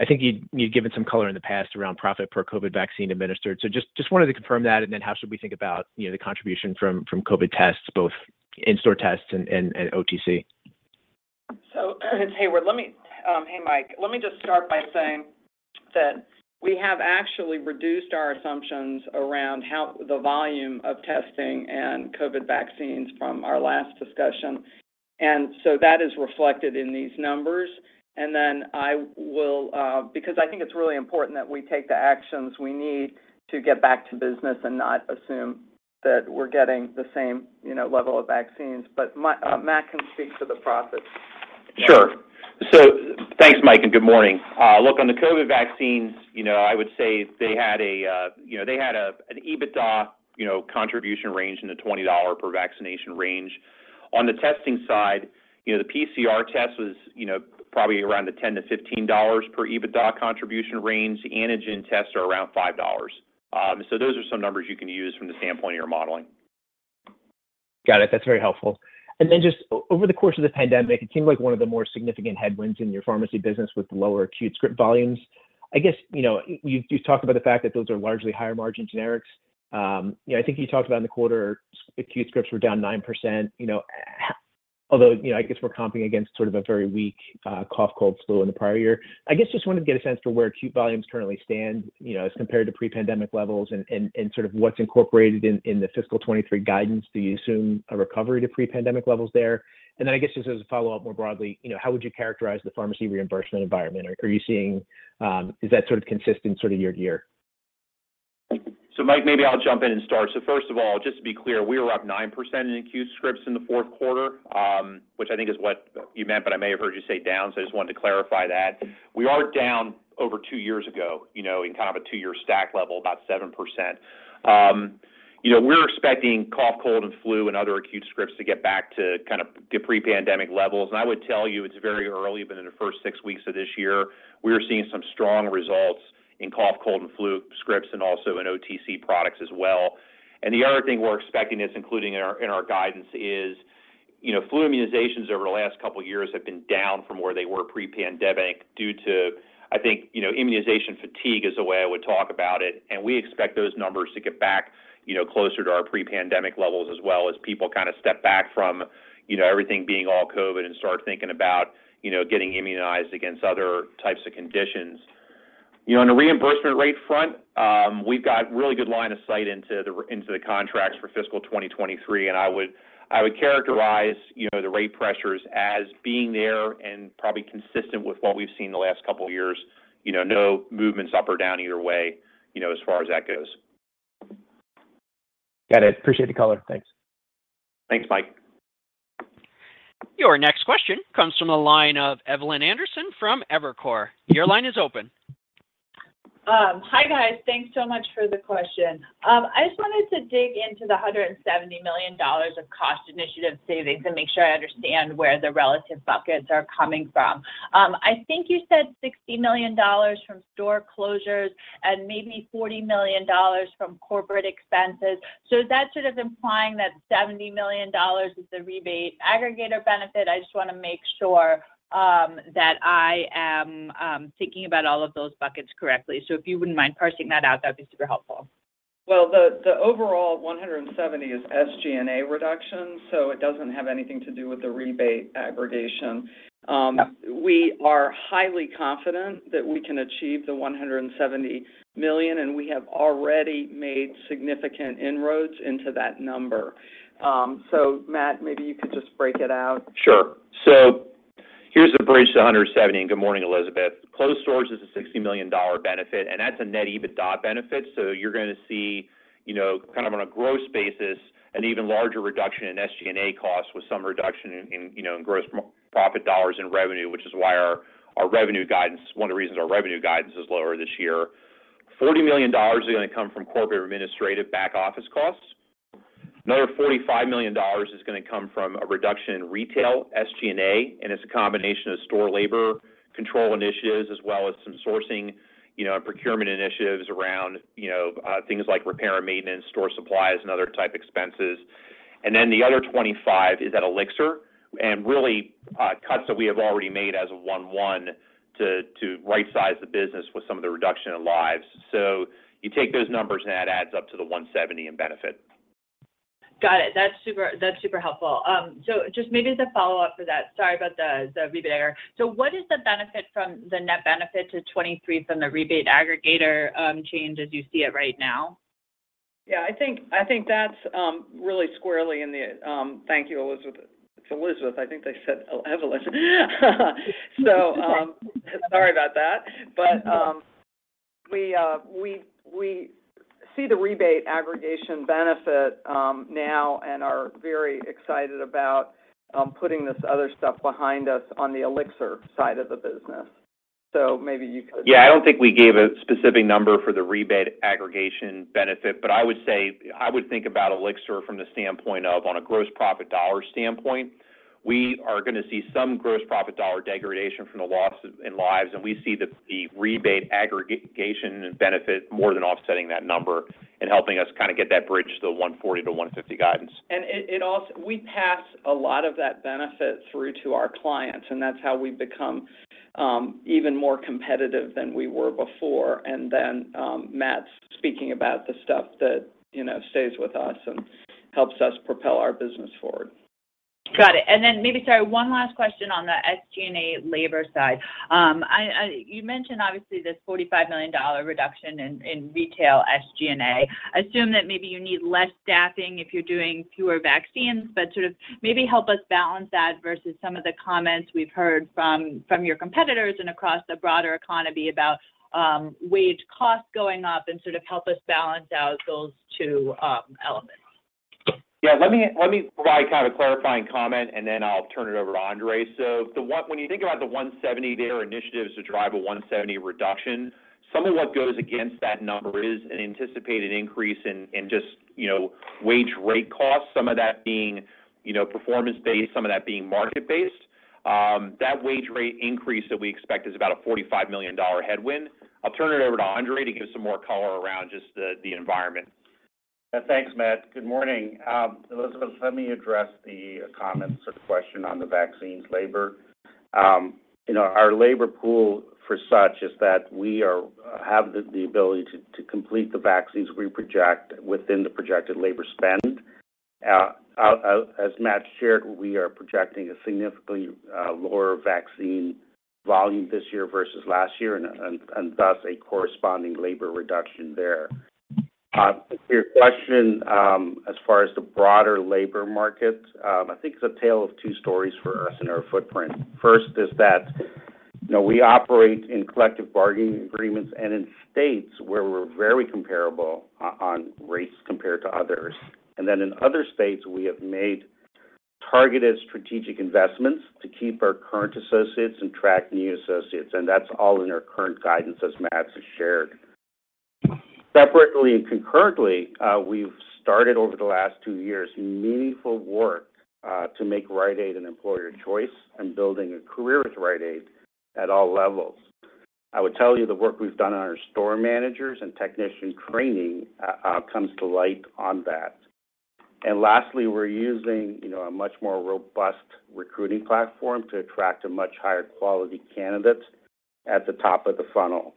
I think you'd given some color in the past around profit per COVID vaccine administered. Just wanted to confirm that, and then how should we think about, you know, the contribution from COVID tests, both in-store tests and OTC? Hey, Mike. Let me just start by saying that we have actually reduced our assumptions around how the volume of testing and COVID vaccines from our last discussion. That is reflected in these numbers. I will, because I think it's really important that we take the actions we need to get back to business and not assume that we're getting the same, you know, level of vaccines. Matt can speak to the profits. Sure. Thanks, Mike, and good morning. Look, on the COVID vaccines, you know, I would say they had an EBITDA, you know, contribution range in the $20 per vaccination range. On the testing side, you know, the PCR test was probably around the $10-$15 per EBITDA contribution range. Antigen tests are around $5. Those are some numbers you can use from the standpoint of your modeling. Got it. That's very helpful. Then just over the course of the pandemic, it seemed like one of the more significant headwinds in your pharmacy business with lower acute script volumes. I guess, you know, you talked about the fact that those are largely higher margin generics. You know, I think you talked about in the quarter, acute scripts were down 9%, you know, although, you know, I guess we're comping against sort of a very weak cough, cold, flu in the prior year. I guess just wanted to get a sense for where acute volumes currently stand, you know, as compared to pre-pandemic levels and sort of what's incorporated in the fiscal 2023 guidance. Do you assume a recovery to pre-pandemic levels there? I guess just as a follow-up more broadly, you know, how would you characterize the pharmacy reimbursement environment? Are you seeing, is that sort of consistent year to year? Mike, maybe I'll jump in and start. First of all, just to be clear, we were up 9% in acute scripts in the fourth quarter, which I think is what you meant, but I may have heard you say down, so I just wanted to clarify that. We are down over two years ago, you know, in kind of a two-year stack level, about 7%. You know, we're expecting cough, cold, and flu and other acute scripts to get back to kind of pre-pandemic levels. I would tell you it's very early, but in the first six weeks of this year, we are seeing some strong results in cough, cold, and flu scripts, and also in OTC products as well. The other thing we're expecting that's included in our guidance is, you know, flu immunizations over the last couple of years have been down from where they were pre-pandemic due to, I think, you know, immunization fatigue is the way I would talk about it. We expect those numbers to get back, you know, closer to our pre-pandemic levels as well as people kind of step back from, you know, everything being all COVID and start thinking about, you know, getting immunized against other types of conditions. You know, on the reimbursement rate front, we've got really good line of sight into the contracts for fiscal 2023, and I would characterize, you know, the rate pressures as being there and probably consistent with what we've seen the last couple of years. You know, no movements up or down either way, you know, as far as that goes. Got it. Appreciate the color. Thanks. Thanks, Mike. Your next question comes from the line of Elizabeth Anderson from Evercore. Your line is open. Hi, guys. Thanks so much for the question. I just wanted to dig into the $170 million of cost initiative savings and make sure I understand where the relative buckets are coming from. I think you said $60 million from store closures and maybe $40 million from corporate expenses. Is that sort of implying that $70 million is a rebate aggregator benefit? I just wanna make sure that I am thinking about all of those buckets correctly. If you wouldn't mind parsing that out, that'd be super helpful. Well, the overall $170 is SG&A reduction, so it doesn't have anything to do with the rebate aggregation. Okay We are highly confident that we can achieve the $170 million, and we have already made significant inroads into that number. Matt, maybe you could just break it out. Sure. Here's the bridge to 170, and good morning, Elizabeth. Closed stores is a $60 million benefit, and that's a net EBITDA benefit. You're gonna see, you know, kind of on a gross basis, an even larger reduction in SG&A costs with some reduction in, you know, in gross profit dollars in revenue, which is why our revenue guidance, one of the reasons our revenue guidance is lower this year. $40 million is gonna come from corporate administrative back office costs. Another $45 million is gonna come from a reduction in retail SG&A, and it's a combination of store labor control initiatives, as well as some sourcing, you know, and procurement initiatives around, you know, things like repair and maintenance, store supplies, and other type expenses. The other $25 million is at Elixir, and really, cuts that we have already made as of 01/01/2023 to right-size the business with some of the reduction in lives. You take those numbers, and that adds up to the $170 million in benefit. Got it. That's super helpful. Just maybe as a follow-up for that. Sorry about the rebate error. What is the benefit from the net benefit to 2023 from the rebate aggregator change as you see it right now? Yeah. I think that's really squarely in the. Thank you, Elizabeth. It's Elizabeth. I think they said Evelyn. Sorry about that. But we see the rebate aggregation benefit now and are very excited about putting this other stuff behind us on the Elixir side of the business. Maybe you could. Yeah, I don't think we gave a specific number for the rebate aggregation benefit, but I would say I would think about Elixir from the standpoint of a gross profit dollar standpoint. We are gonna see some gross profit dollar degradation from the loss in lives, and we see the rebate aggregation benefit more than offsetting that number and helping us kinda get that bridge to the $140-$150 guidance. We pass a lot of that benefit through to our clients, and that's how we've become even more competitive than we were before. Then Matt's speaking about the stuff that, you know, stays with us and helps us propel our business forward. Got it. Maybe, sorry, one last question on the SG&A labor side. You mentioned obviously this $45 million reduction in retail SG&A. Assume that maybe you need less staffing if you're doing fewer vaccines, but sort of maybe help us balance that versus some of the comments we've heard from your competitors and across the broader economy about wage costs going up and sort of help us balance out those two elements. Yeah. Let me provide kind of clarifying comment, and then I'll turn it over to Andre. When you think about the $170 million there initiatives to drive a $170 million reduction, some of what goes against that number is an anticipated increase in just, you know, wage rate costs, some of that being, you know, performance-based, some of that being market-based. That wage rate increase that we expect is about a $45 million headwind. I'll turn it over to Andre to give some more color around just the environment. Yeah. Thanks, Matt. Good morning. Elizabeth, let me address the comments or question on the vaccines labor. You know, our labor pool for such is that we have the ability to complete the vaccines we project within the projected labor spend. As Matt shared, we are projecting a significantly lower vaccine volume this year versus last year and thus a corresponding labor reduction there. To your question, as far as the broader labor market, I think it's a tale of two stories for us in our footprint. First is that, you know, we operate in collective bargaining agreements and in states where we're very comparable on rates compared to others. Then in other states, we have made targeted strategic investments to keep our current associates and track new associates, and that's all in our current guidance, as Matt has shared. Separately and concurrently, we've started over the last two years meaningful work to make Rite Aid an employer choice and building a career with Rite Aid at all levels. I would tell you the work we've done on our store managers and technician training comes to light on that. Lastly, we're using, you know, a much more robust recruiting platform to attract a much higher quality candidates at the top of the funnel.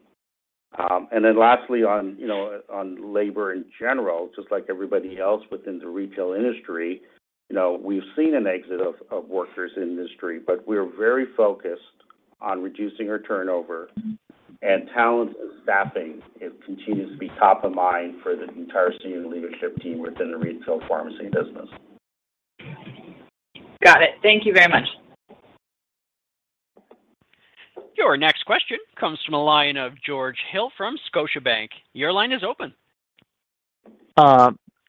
Lastly, you know, on labor in general, just like everybody else within the retail industry, you know, we've seen an exit of workers in industry, but we're very focused on reducing our turnover and talent and staffing. It continues to be top of mind for the entire senior leadership team within the retail pharmacy business. Got it. Thank you very much. Your next question comes from the line of George Hill from Deutsche Bank. Your line is open.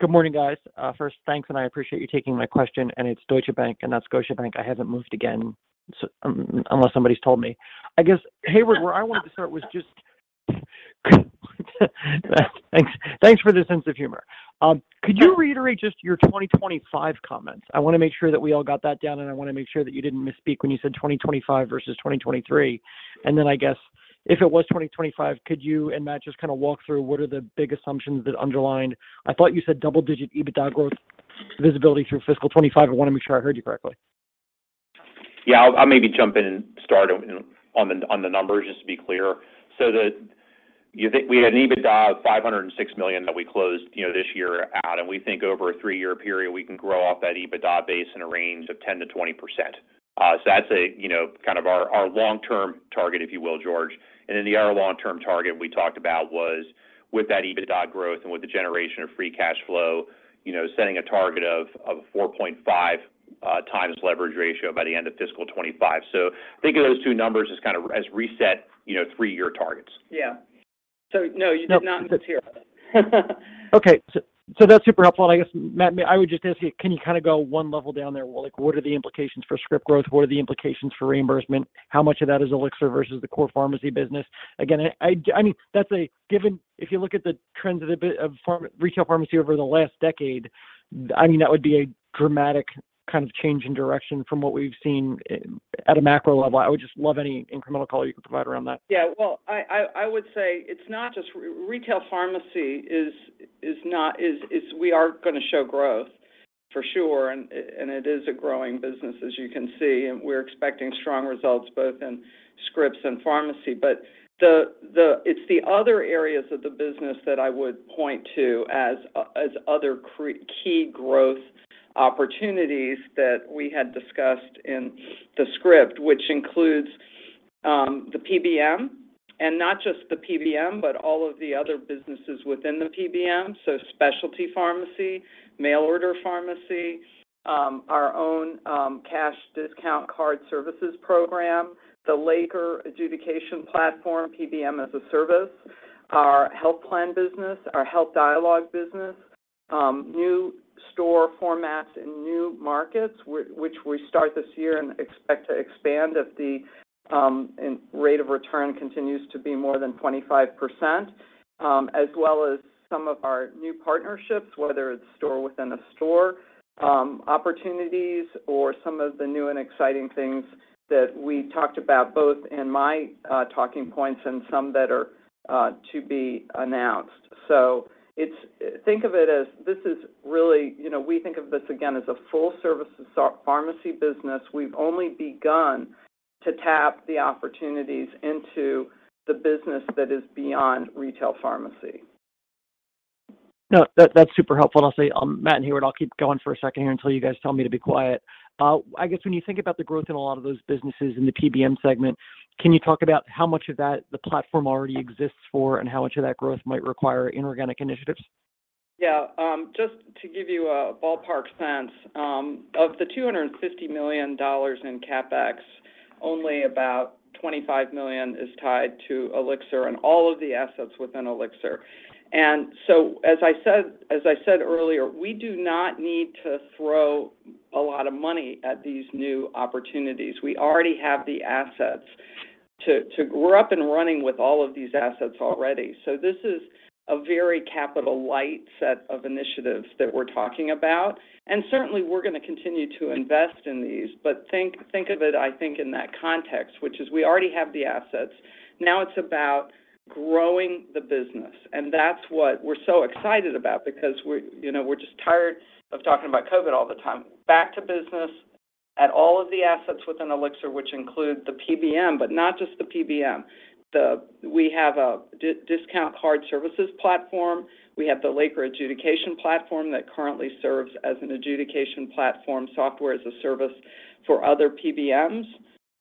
Good morning, guys. First, thanks, and I appreciate you taking my question. It's Deutsche Bank, and not Scotiabank. I haven't moved again unless somebody's told me. I guess, Heyward, where I wanted to start was just thanks for the sense of humor. Could you reiterate just your 2025 comments? I want to make sure that we all got that down, and I want to make sure that you didn't misspeak when you said 2025 versus 2023. I guess if it was 2025, could you and Matt just kind of walk through what are the big assumptions that underlie? I thought you said double-digit EBITDA growth visibility through fiscal 2025. I want to make sure I heard you correctly. I'll maybe jump in and start on the numbers just to be clear. You think we had an EBITDA of $506 million that we closed this year at. We think over a three-year period, we can grow off that EBITDA base in a range of 10%-20%. That's kind of our long-term target, if you will, George. The other long-term target we talked about was with that EBITDA growth and with the generation of free cash flow, you know, setting a target of 4.5x leverage ratio by the end of fiscal 2025. Think of those two numbers as kind of reset three-year targets. Yeah. No, you did not mishear. Okay. That's super helpful. I guess, Matt, I would just ask you, can you kinda go one level down there? Like, what are the implications for script growth? What are the implications for reimbursement? How much of that is Elixir versus the core pharmacy business? Again, I mean, that's a given. If you look at the trends of the retail pharmacy over the last decade, I mean, that would be a dramatic kind of change in direction from what we've seen at a macro level. I would just love any incremental color you could provide around that. Yeah. Well, I would say it's not just retail pharmacy. We are gonna show growth for sure, and it is a growing business as you can see, and we're expecting strong results both in scripts and pharmacy. It's the other areas of the business that I would point to as other key growth opportunities that we had discussed in the script, which includes the PBM, and not just the PBM, but all of the other businesses within the PBM. Specialty pharmacy, mail order pharmacy, our own cash discount card services program, the Laker adjudication platform, PBM as a service, our health plan business, our Health Dialog business, new store formats in new markets which we start this year and expect to expand if the annual rate of return continues to be more than 25%, as well as some of our new partnerships, whether it's store within a store opportunities or some of the new and exciting things that we talked about both in my talking points and some that are to be announced. It's. Think of it as this is really, you know, we think of this again as a full service pharmacy business. We've only begun to tap the opportunities into the business that is beyond retail pharmacy. No, that's super helpful. I'll say, Matt and Heyward, I'll keep going for a second here until you guys tell me to be quiet. I guess when you think about the growth in a lot of those businesses in the PBM segment, can you talk about how much of that the platform already exists for and how much of that growth might require inorganic initiatives? Yeah. Just to give you a ballpark sense of the $250 million in CapEx, only about $25 million is tied to Elixir and all of the assets within Elixir. As I said earlier, we do not need to throw a lot of money at these new opportunities. We already have the assets. We're up and running with all of these assets already. This is a very capital-light set of initiatives that we're talking about. Certainly, we're gonna continue to invest in these. Think of it, I think, in that context, which is we already have the assets. Now it's about growing the business, and that's what we're so excited about because, you know, we're just tired of talking about COVID all the time. Back to business at all of the assets within Elixir, which include the PBM, but not just the PBM. We have a Discount Card Services platform. We have the Laker Adjudication platform that currently serves as an adjudication platform software as a service for other PBMs.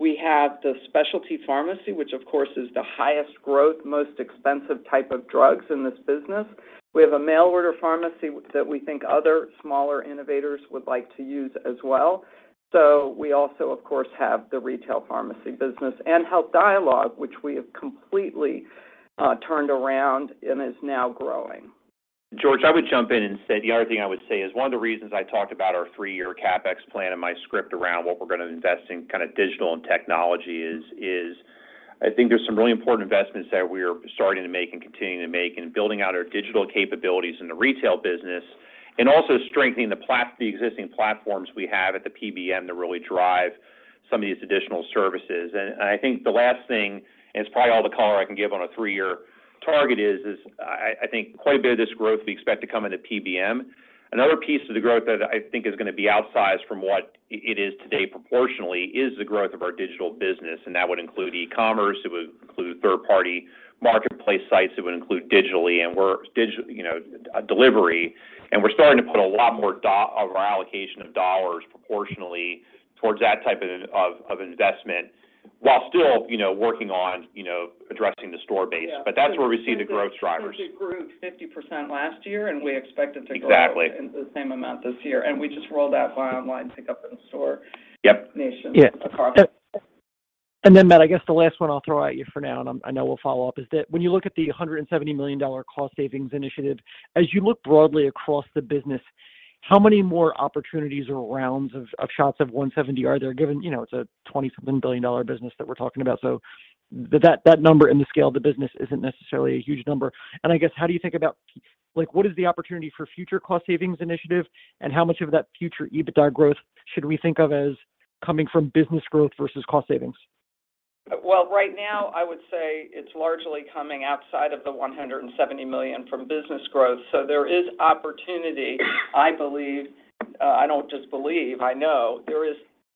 We have the Specialty pharmacy, which, of course, is the highest growth, most expensive type of drugs in this business. We have a Mail Order pharmacy that we think other smaller innovators would like to use as well. We also, of course, have the Retail pharmacy business and Health Dialog, which we have completely turned around and is now growing. George, I would jump in and say, the other thing I would say is one of the reasons I talked about our three-year CapEx plan in my script around what we're gonna invest in kind of digital and technology is, I think there's some really important investments that we're starting to make and continuing to make in building out our digital capabilities in the retail business and also strengthening the existing platforms we have at the PBM to really drive some of these additional services. I think the last thing, and it's probably all the color I can give on a three-year target is, I think quite a bit of this growth we expect to come into PBM. Another piece of the growth that I think is gonna be outsized from what it is today proportionally is the growth of our digital business, and that would include e-commerce. It would include third-party marketplace sites. It would include digital delivery. We're starting to put a lot more dollars of our allocation of dollars proportionally towards that type of investment while still, you know, working on, you know, addressing the store base. Yeah. That's where we see the growth drivers. Since it grew 50% last year, and we expect it to grow. Exactly The same amount this year, and we just rolled out buy online pickup in store. Yep Nation across. Yeah. Then Matt, I guess the last one I'll throw at you for now, and I'm, I know we'll follow up, is that when you look at the $170 million cost savings initiative, as you look broadly across the business, how many more opportunities or rounds of shots of $170 million are there given? You know, it's a $27 billion business that we're talking about, so that number in the scale of the business isn't necessarily a huge number. I guess, how do you think about, like, what is the opportunity for future cost savings initiative, and how much of that future EBITDA growth should we think of as coming from business growth versus cost savings? Well, right now, I would say it's largely coming outside of the $170 million from business growth. There is opportunity, I believe. I don't just believe, I know, there is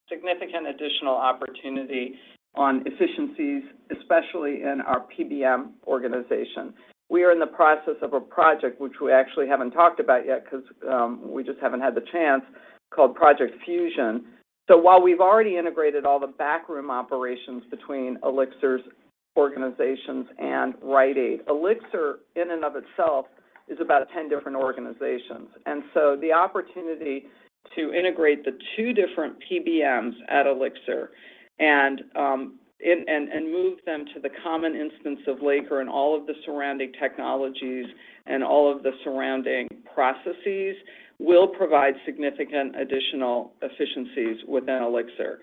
significant additional opportunity on efficiencies, especially in our PBM organization. We are in the process of a project which we actually haven't talked about yet because we just haven't had the chance, called Project Fusion. While we've already integrated all the backroom operations between Elixir's organizations and Rite Aid, Elixir in and of itself is about 10 different organizations. The opportunity to integrate the two different PBMs at Elixir and move them to the common instance of Laker and all of the surrounding technologies and all of the surrounding processes will provide significant additional efficiencies within Elixir.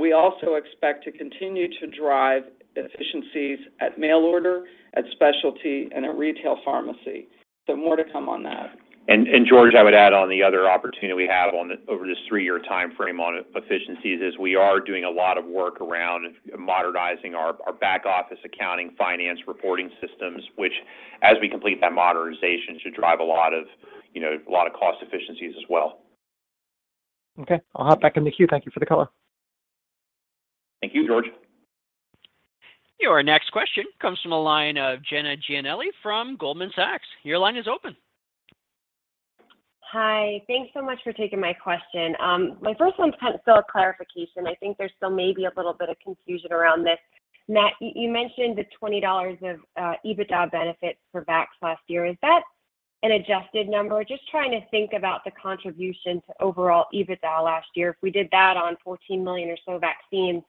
We also expect to continue to drive efficiencies at mail order, at Specialty, and at Retail pharmacy. more to come on that. George, I would add on the other opportunity we have over this three-year timeframe on efficiencies is we are doing a lot of work around modernizing our back office accounting finance reporting systems, which as we complete that modernization should drive a lot of, you know, a lot of cost efficiencies as well. Okay. I'll hop back in the queue. Thank you for the color. Thank you, George. Your next question comes from the line of Jenna Giannelli from Goldman Sachs. Your line is open. Hi. Thanks so much for taking my question. My first one's kind of still a clarification. I think there's still maybe a little bit of confusion around this. Matt, you mentioned the $20 of EBITDA benefits for vax last year. Is that an adjusted number? We're just trying to think about the contribution to overall EBITDA last year. If we did that on 14 million or so vaccines,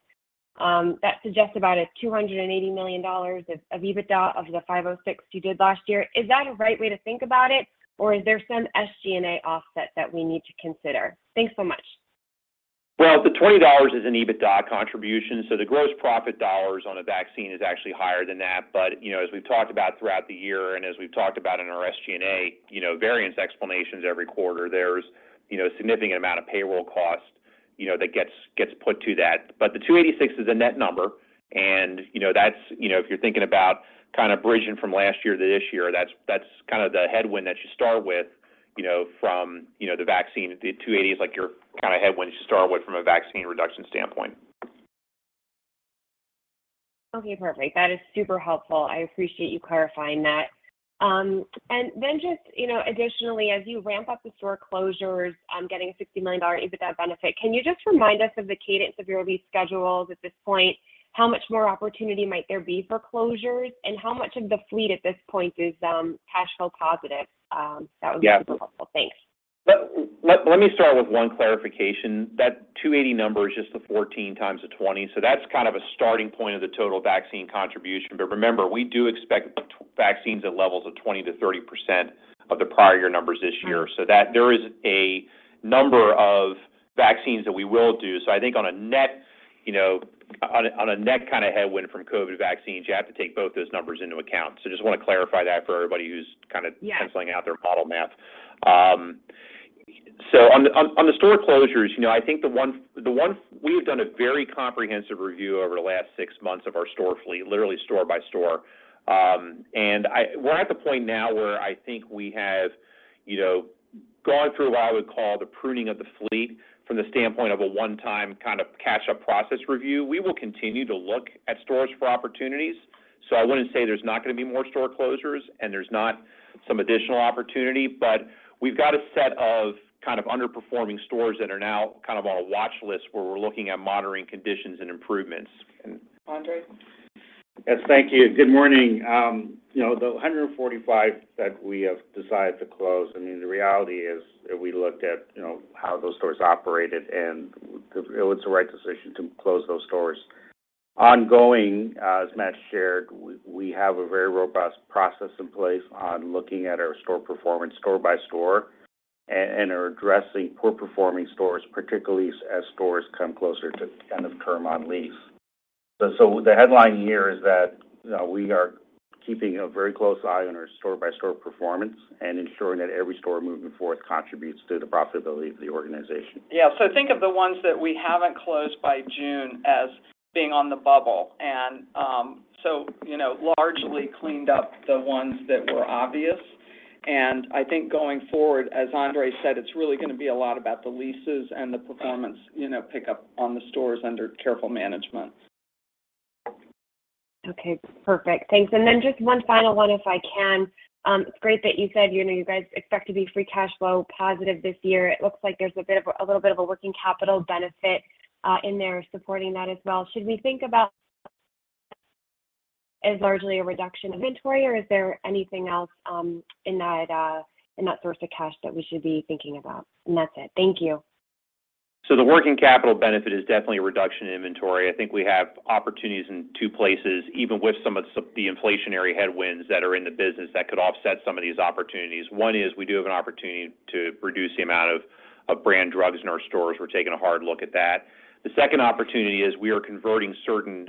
that suggests about $280 million of EBITDA of the $506 million you did last year. Is that a right way to think about it, or is there some SG&A offset that we need to consider? Thanks so much. Well, the $20 is an EBITDA contribution, so the gross profit dollars on a vaccine is actually higher than that. You know, as we've talked about throughout the year and as we've talked about in our SG&A, you know, variance explanations every quarter, there's, you know, a significant amount of payroll cost, you know, that gets put to that. The 286 is a net number, and, you know, that's, you know, if you're thinking about kind of bridging from last year to this year, that's kind of the headwind that you start with. You know, from, you know, the vaccine, the 280 is like your kind of headwind to start with from a vaccine reduction standpoint. Okay, perfect. That is super helpful. I appreciate you clarifying that. Just, you know, additionally, as you ramp up the store closures, getting $60 million EBITDA benefit, can you just remind us of the cadence of your lease schedules at this point? How much more opportunity might there be for closures? How much of the fleet at this point is cash flow positive? That would be super helpful. Thanks. Let me start with one clarification. That 280 number is just the 14 times the 20, so that's kind of a starting point of the total vaccine contribution. Remember, we do expect vaccines at levels of 20%-30% of the prior year numbers this year. Mm-hmm. There is a number of vaccines that we will do. I think on a net, you know, on a net kind of headwind from COVID vaccines, you have to take both those numbers into account. Just wanna clarify that for everybody who's kind of. Yeah Penciling out their model math. On the store closures, you know, I think the one. We have done a very comprehensive review over the last six months of our store fleet, literally store by store. We're at the point now where I think we have, you know, gone through what I would call the pruning of the fleet from the standpoint of a one-time kind of catch-up process review. We will continue to look at stores for opportunities. I wouldn't say there's not gonna be more store closures and there's not some additional opportunity, but we've got a set of kind of underperforming stores that are now kind of on a watch list where we're looking at monitoring conditions and improvements. Andre? Yes. Thank you. Good morning. You know, the 145 that we have decided to close, I mean, the reality is that we looked at, you know, how those stores operated, and it was the right decision to close those stores. Ongoing, as Matt shared, we have a very robust process in place on looking at our store performance store by store and are addressing poor-performing stores, particularly as stores come closer to end of term on lease. The headline here is that we are keeping a very close eye on our store-by-store performance and ensuring that every store moving forth contributes to the profitability of the organization. Yeah. Think of the ones that we haven't closed by June as being on the bubble. You know, largely cleaned up the ones that were obvious. I think going forward, as Andre said, it's really gonna be a lot about the leases and the performance, you know, pickup on the stores under careful management. Okay, perfect. Thanks. Just one final one, if I can. It's great that you said, you know, you guys expect to be free cash flow positive this year. It looks like there's a little bit of a working capital benefit in there supporting that as well. Should we think about it as largely a reduction in inventory, or is there anything else in that source of cash that we should be thinking about? That's it. Thank you. The working capital benefit is definitely a reduction in inventory. I think we have opportunities in two places, even with some of the inflationary headwinds that are in the business that could offset some of these opportunities. One is we do have an opportunity to reduce the amount of brand drugs in our stores. We're taking a hard look at that. The second opportunity is we are converting certain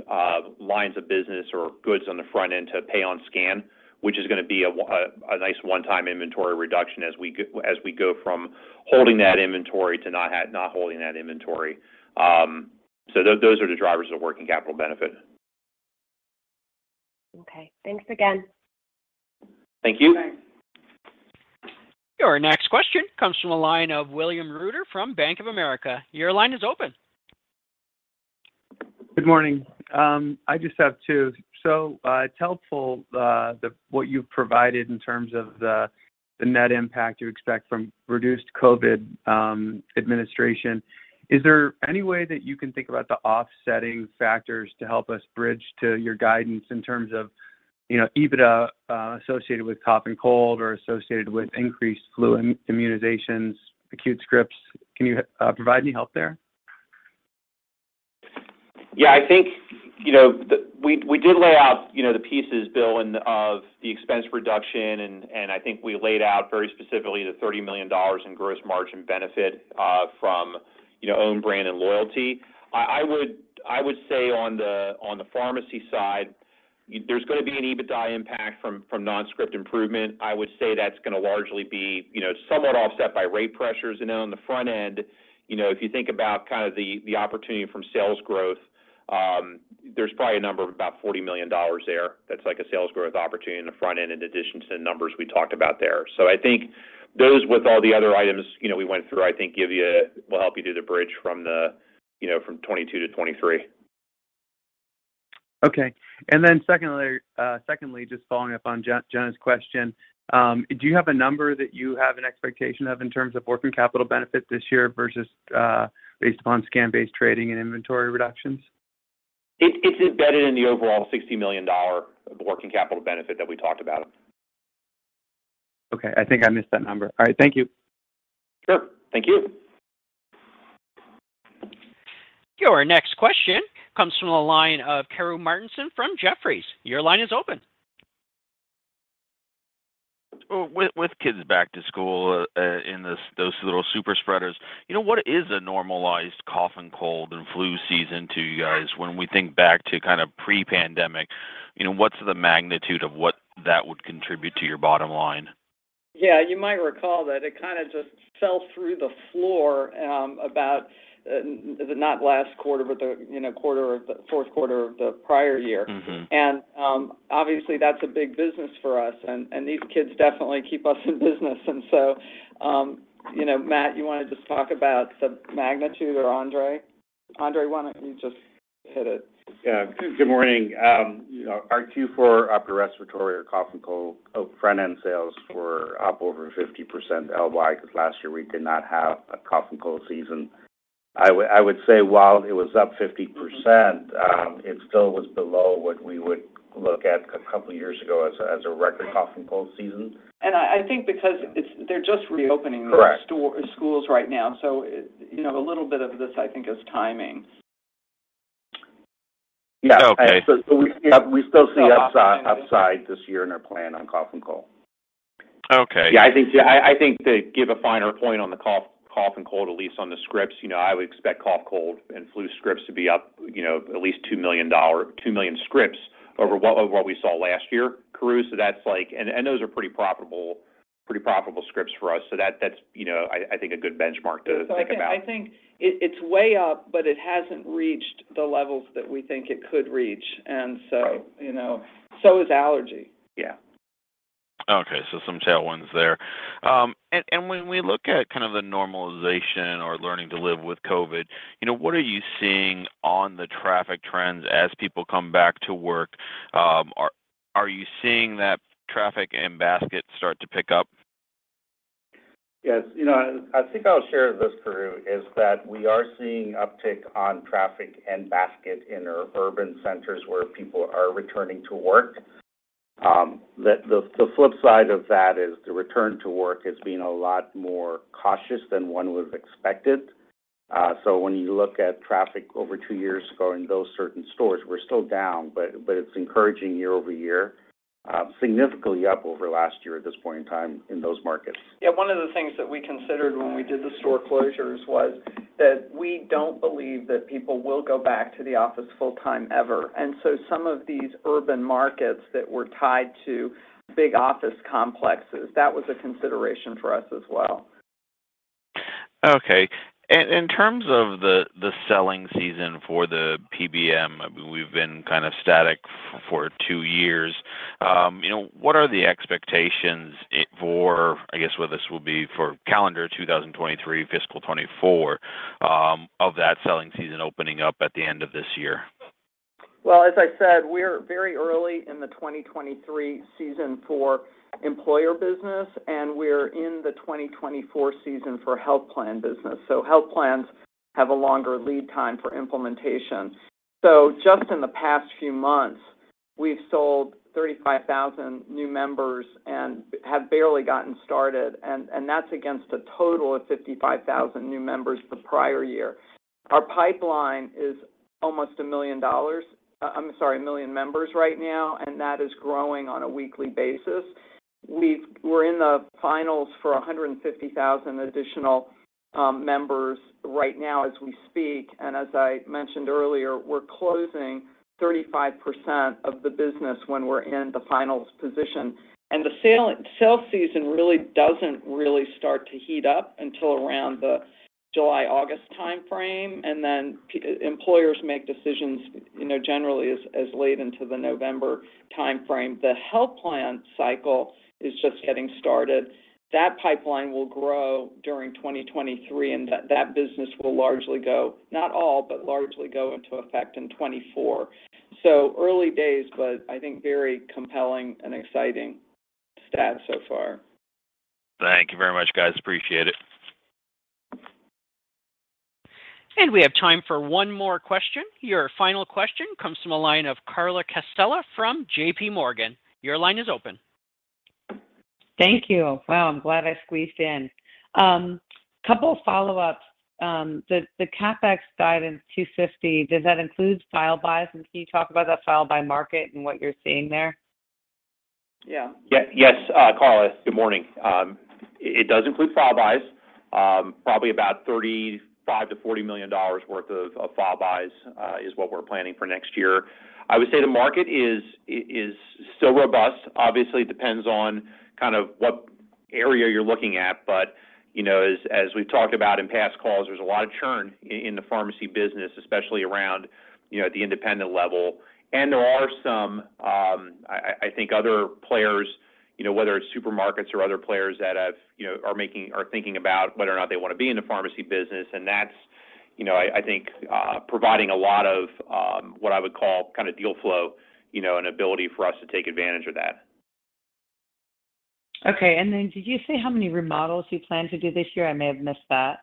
lines of business or goods on the front end to pay on scan, which is gonna be a nice one-time inventory reduction as we as we go from holding that inventory to not holding that inventory. Those are the drivers of working capital benefit. Okay. Thanks again. Thank you. Thanks. Your next question comes from the line of William Reuter from Bank of America. Your line is open. Good morning. I just have two. It's helpful, the what you've provided in terms of the net impact you expect from reduced COVID administration. Is there any way that you can think about the offsetting factors to help us bridge to your guidance in terms of, you know, EBITDA associated with cough and cold or associated with increased flu immunizations, acute scripts? Can you provide any help there? Yeah. I think, you know, We did lay out, you know, the pieces, Bill, and of the expense reduction, and I think we laid out very specifically the $30 million in gross margin benefit from, you know, own brand and loyalty. I would say on the pharmacy side, there's gonna be an EBITDA impact from non-script improvement. I would say that's gonna largely be, you know, somewhat offset by rate pressures. Then on the front end, you know, if you think about kind of the opportunity from sales growth, there's probably a number of about $40 million there. That's like a sales growth opportunity on the front end in addition to the numbers we talked about there. I think those with all the other items, you know, we went through, I think, will help you do the bridge from 2022 to 2023. Okay. Secondly, just following up on Jenna's question, do you have a number that you have an expectation of in terms of working capital benefit this year versus, based upon scan-based trading and inventory reductions? It's embedded in the overall $60 million working capital benefit that we talked about. Okay. I think I missed that number. All right. Thank you. Sure. Thank you. Your next question comes from the line of Karru Martinson from Jefferies. Your line is open. With kids back to school, and those little super spreaders, you know, what is a normalized cough and cold and flu season to you guys? When we think back to kind of pre-pandemic, you know, what's the magnitude of what that would contribute to your bottom line? Yeah. You might recall that it kinda just fell through the floor about not last quarter, but the, you know, fourth quarter of the prior year. Mm-hmm. Obviously, that's a big business for us. These kids definitely keep us in business. You know, Matt, you wanna just talk about the magnitude, or Andre? Andre, why don't you just hit it? Yeah. Good morning. You know, our Q4 upper respiratory or cough and cold front-end sales were up over 50% LY, because last year we did not have a cough and cold season. I would say while it was up 50%, it still was below what we would look at a couple of years ago as a record cough and cold season. I think because they're just reopening. Correct... schools right now, so, you know, a little bit of this, I think, is timing. Yeah. Okay. We still see upside this year in our plan on cough and cold. Okay. Yeah, I think to give a finer point on the cough and cold, at least on the scripts, you know, I would expect cough, cold and flu scripts to be up, you know, at least 2 million scripts over what we saw last year, Karru. So that's. Those are pretty profitable scripts for us. So that's, you know, I think a good benchmark to think about. I think it's way up, but it hasn't reached the levels that we think it could reach. Right You know. So is allergy. Yeah. Okay, some tailwinds there. When we look at kind of the normalization or learning to live with COVID, you know, what are you seeing on the traffic trends as people come back to work? Are you seeing that traffic and basket start to pick up? Yes. You know, I think I'll share this, Karru, is that we are seeing uptick on traffic and basket in our urban centers where people are returning to work. The flip side of that is the return to work has been a lot more cautious than one was expected. When you look at traffic over two years ago in those certain stores, we're still down, but it's encouraging year-over-year, significantly up over last year at this point in time in those markets. Yeah. One of the things that we considered when we did the store closures was that we don't believe that people will go back to the office full-time ever. Some of these urban markets that were tied to big office complexes, that was a consideration for us as well. Okay. In terms of the selling season for the PBM, we've been kind of static for two years. You know, what are the expectations for, I guess, whether this will be for calendar 2023, fiscal 2024, of that selling season opening up at the end of this year? Well, as I said, we're very early in the 2023 season for employer business, and we're in the 2024 season for health plan business. Health plans have a longer lead time for implementation. Just in the past few months, we've sold 35,000 new members and have barely gotten started, and that's against a total of 55,000 new members the prior year. Our pipeline is almost a million dollars. I'm sorry, a million members right now, and that is growing on a weekly basis. We're in the finals for 150,000 additional members right now as we speak. As I mentioned earlier, we're closing 35% of the business when we're in the finals position. Sale season really doesn't start to heat up until around the July, August timeframe, and then employers make decisions, you know, generally as late into the November timeframe. The health plan cycle is just getting started. That pipeline will grow during 2023, and that business will largely go, not all, but largely go into effect in 2024. Early days, but I think very compelling and exciting stats so far. Thank you very much, guys. Appreciate it. We have time for one more question. Your final question comes from a line of Carla Casella from JPMorgan. Your line is open. Thank you. Wow, I'm glad I squeezed in. Couple follow-ups. The CapEx guide in $250 million, does that include file buys? Can you talk about that file-buy market and what you're seeing there? Yeah. Yes, Carla. Good morning. It does include file buys. Probably about $35 million-$40 million worth of file buys is what we're planning for next year. I would say the market is still robust. Obviously, it depends on kind of what area you're looking at. You know, as we've talked about in past calls, there's a lot of churn in the pharmacy business, especially around, you know, at the independent level. There are some, I think other players, you know, whether it's supermarkets or other players that have, you know, are making or thinking about whether or not they wanna be in the pharmacy business. That's, you know, I think, providing a lot of, what I would call kind of deal flow, you know, and ability for us to take advantage of that. Okay. Did you say how many remodels you plan to do this year? I may have missed that.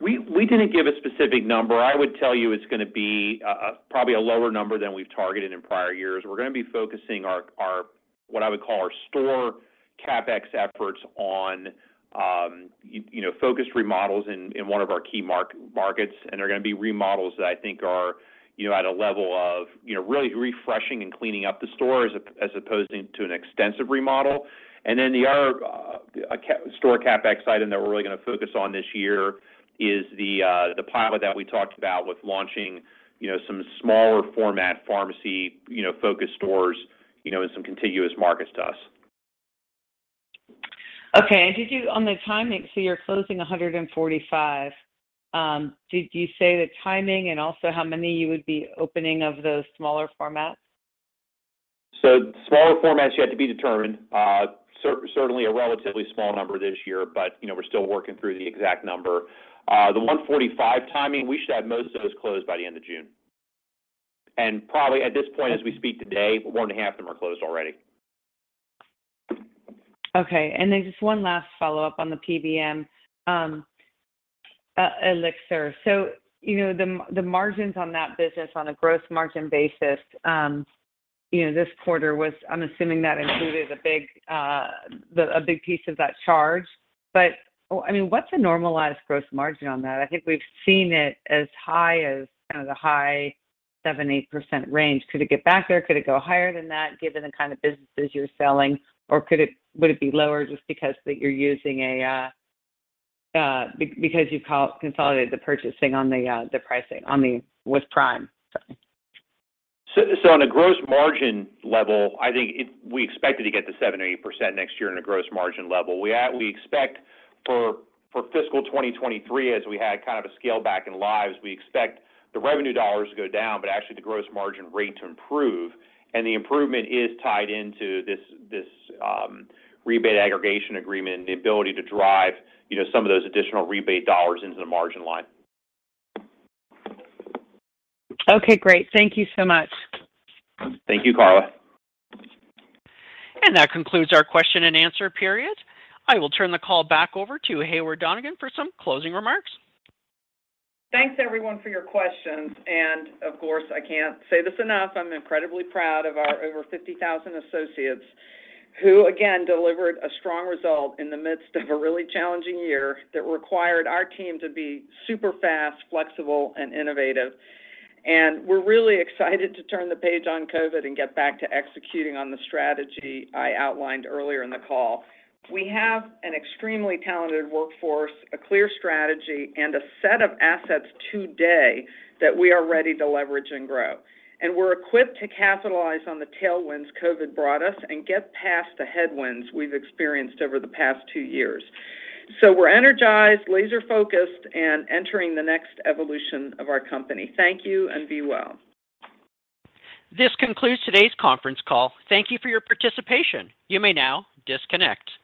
We didn't give a specific number. I would tell you it's gonna be probably a lower number than we've targeted in prior years. We're gonna be focusing our what I would call our store CapEx efforts on you know focused remodels in one of our key markets, and they're gonna be remodels that I think are you know at a level of you know really refreshing and cleaning up the stores as opposed to an extensive remodel. The other store CapEx item that we're really gonna focus on this year is the pilot that we talked about with launching you know some smaller format pharmacy you know focused stores you know in some contiguous markets to us. Okay. On the timing, so you're closing 145. Did you say the timing and also how many you would be opening of those smaller formats? Smaller formats yet to be determined. Certainly a relatively small number this year, but, you know, we're still working through the exact number. The 145 timing, we should have most of those closed by the end of June. Probably at this point as we speak today, more than half of them are closed already. Okay. Just one last follow-up on the PBM, Elixir. You know, the margins on that business on a gross margin basis, you know, this quarter was. I'm assuming that included a big piece of that charge. I mean, what's a normalized gross margin on that? I think we've seen it as high as kind of the high 7%-8% range. Could it get back there? Could it go higher than that given the kind of businesses you're selling? Or could it, would it be lower just because you've consolidated the purchasing on the pricing with Prime, sorry. On a gross margin level, I think we expected to get to 7%-8% next year on a gross margin level. We expect for fiscal 2023, as we had kind of a scale back in lives, the revenue dollars to go down, but actually the gross margin rate to improve. The improvement is tied into this rebate aggregation agreement and the ability to drive, you know, some of those additional rebate dollars into the margin line. Okay, great. Thank you so much. Thank you, Carla. That concludes our question and answer period. I will turn the call back over to Heyward Donigan for some closing remarks. Thanks everyone for your questions. Of course, I can't say this enough, I'm incredibly proud of our over 50,000 associates who, again, delivered a strong result in the midst of a really challenging year that required our team to be super fast, flexible, and innovative. We're really excited to turn the page on COVID and get back to executing on the strategy I outlined earlier in the call. We have an extremely talented workforce, a clear strategy, and a set of assets today that we are ready to leverage and grow. We're equipped to capitalize on the tailwinds COVID brought us and get past the headwinds we've experienced over the past two years. We're energized, laser-focused, and entering the next evolution of our company. Thank you, and be well. This concludes today's conference call. Thank you for your participation. You may now disconnect.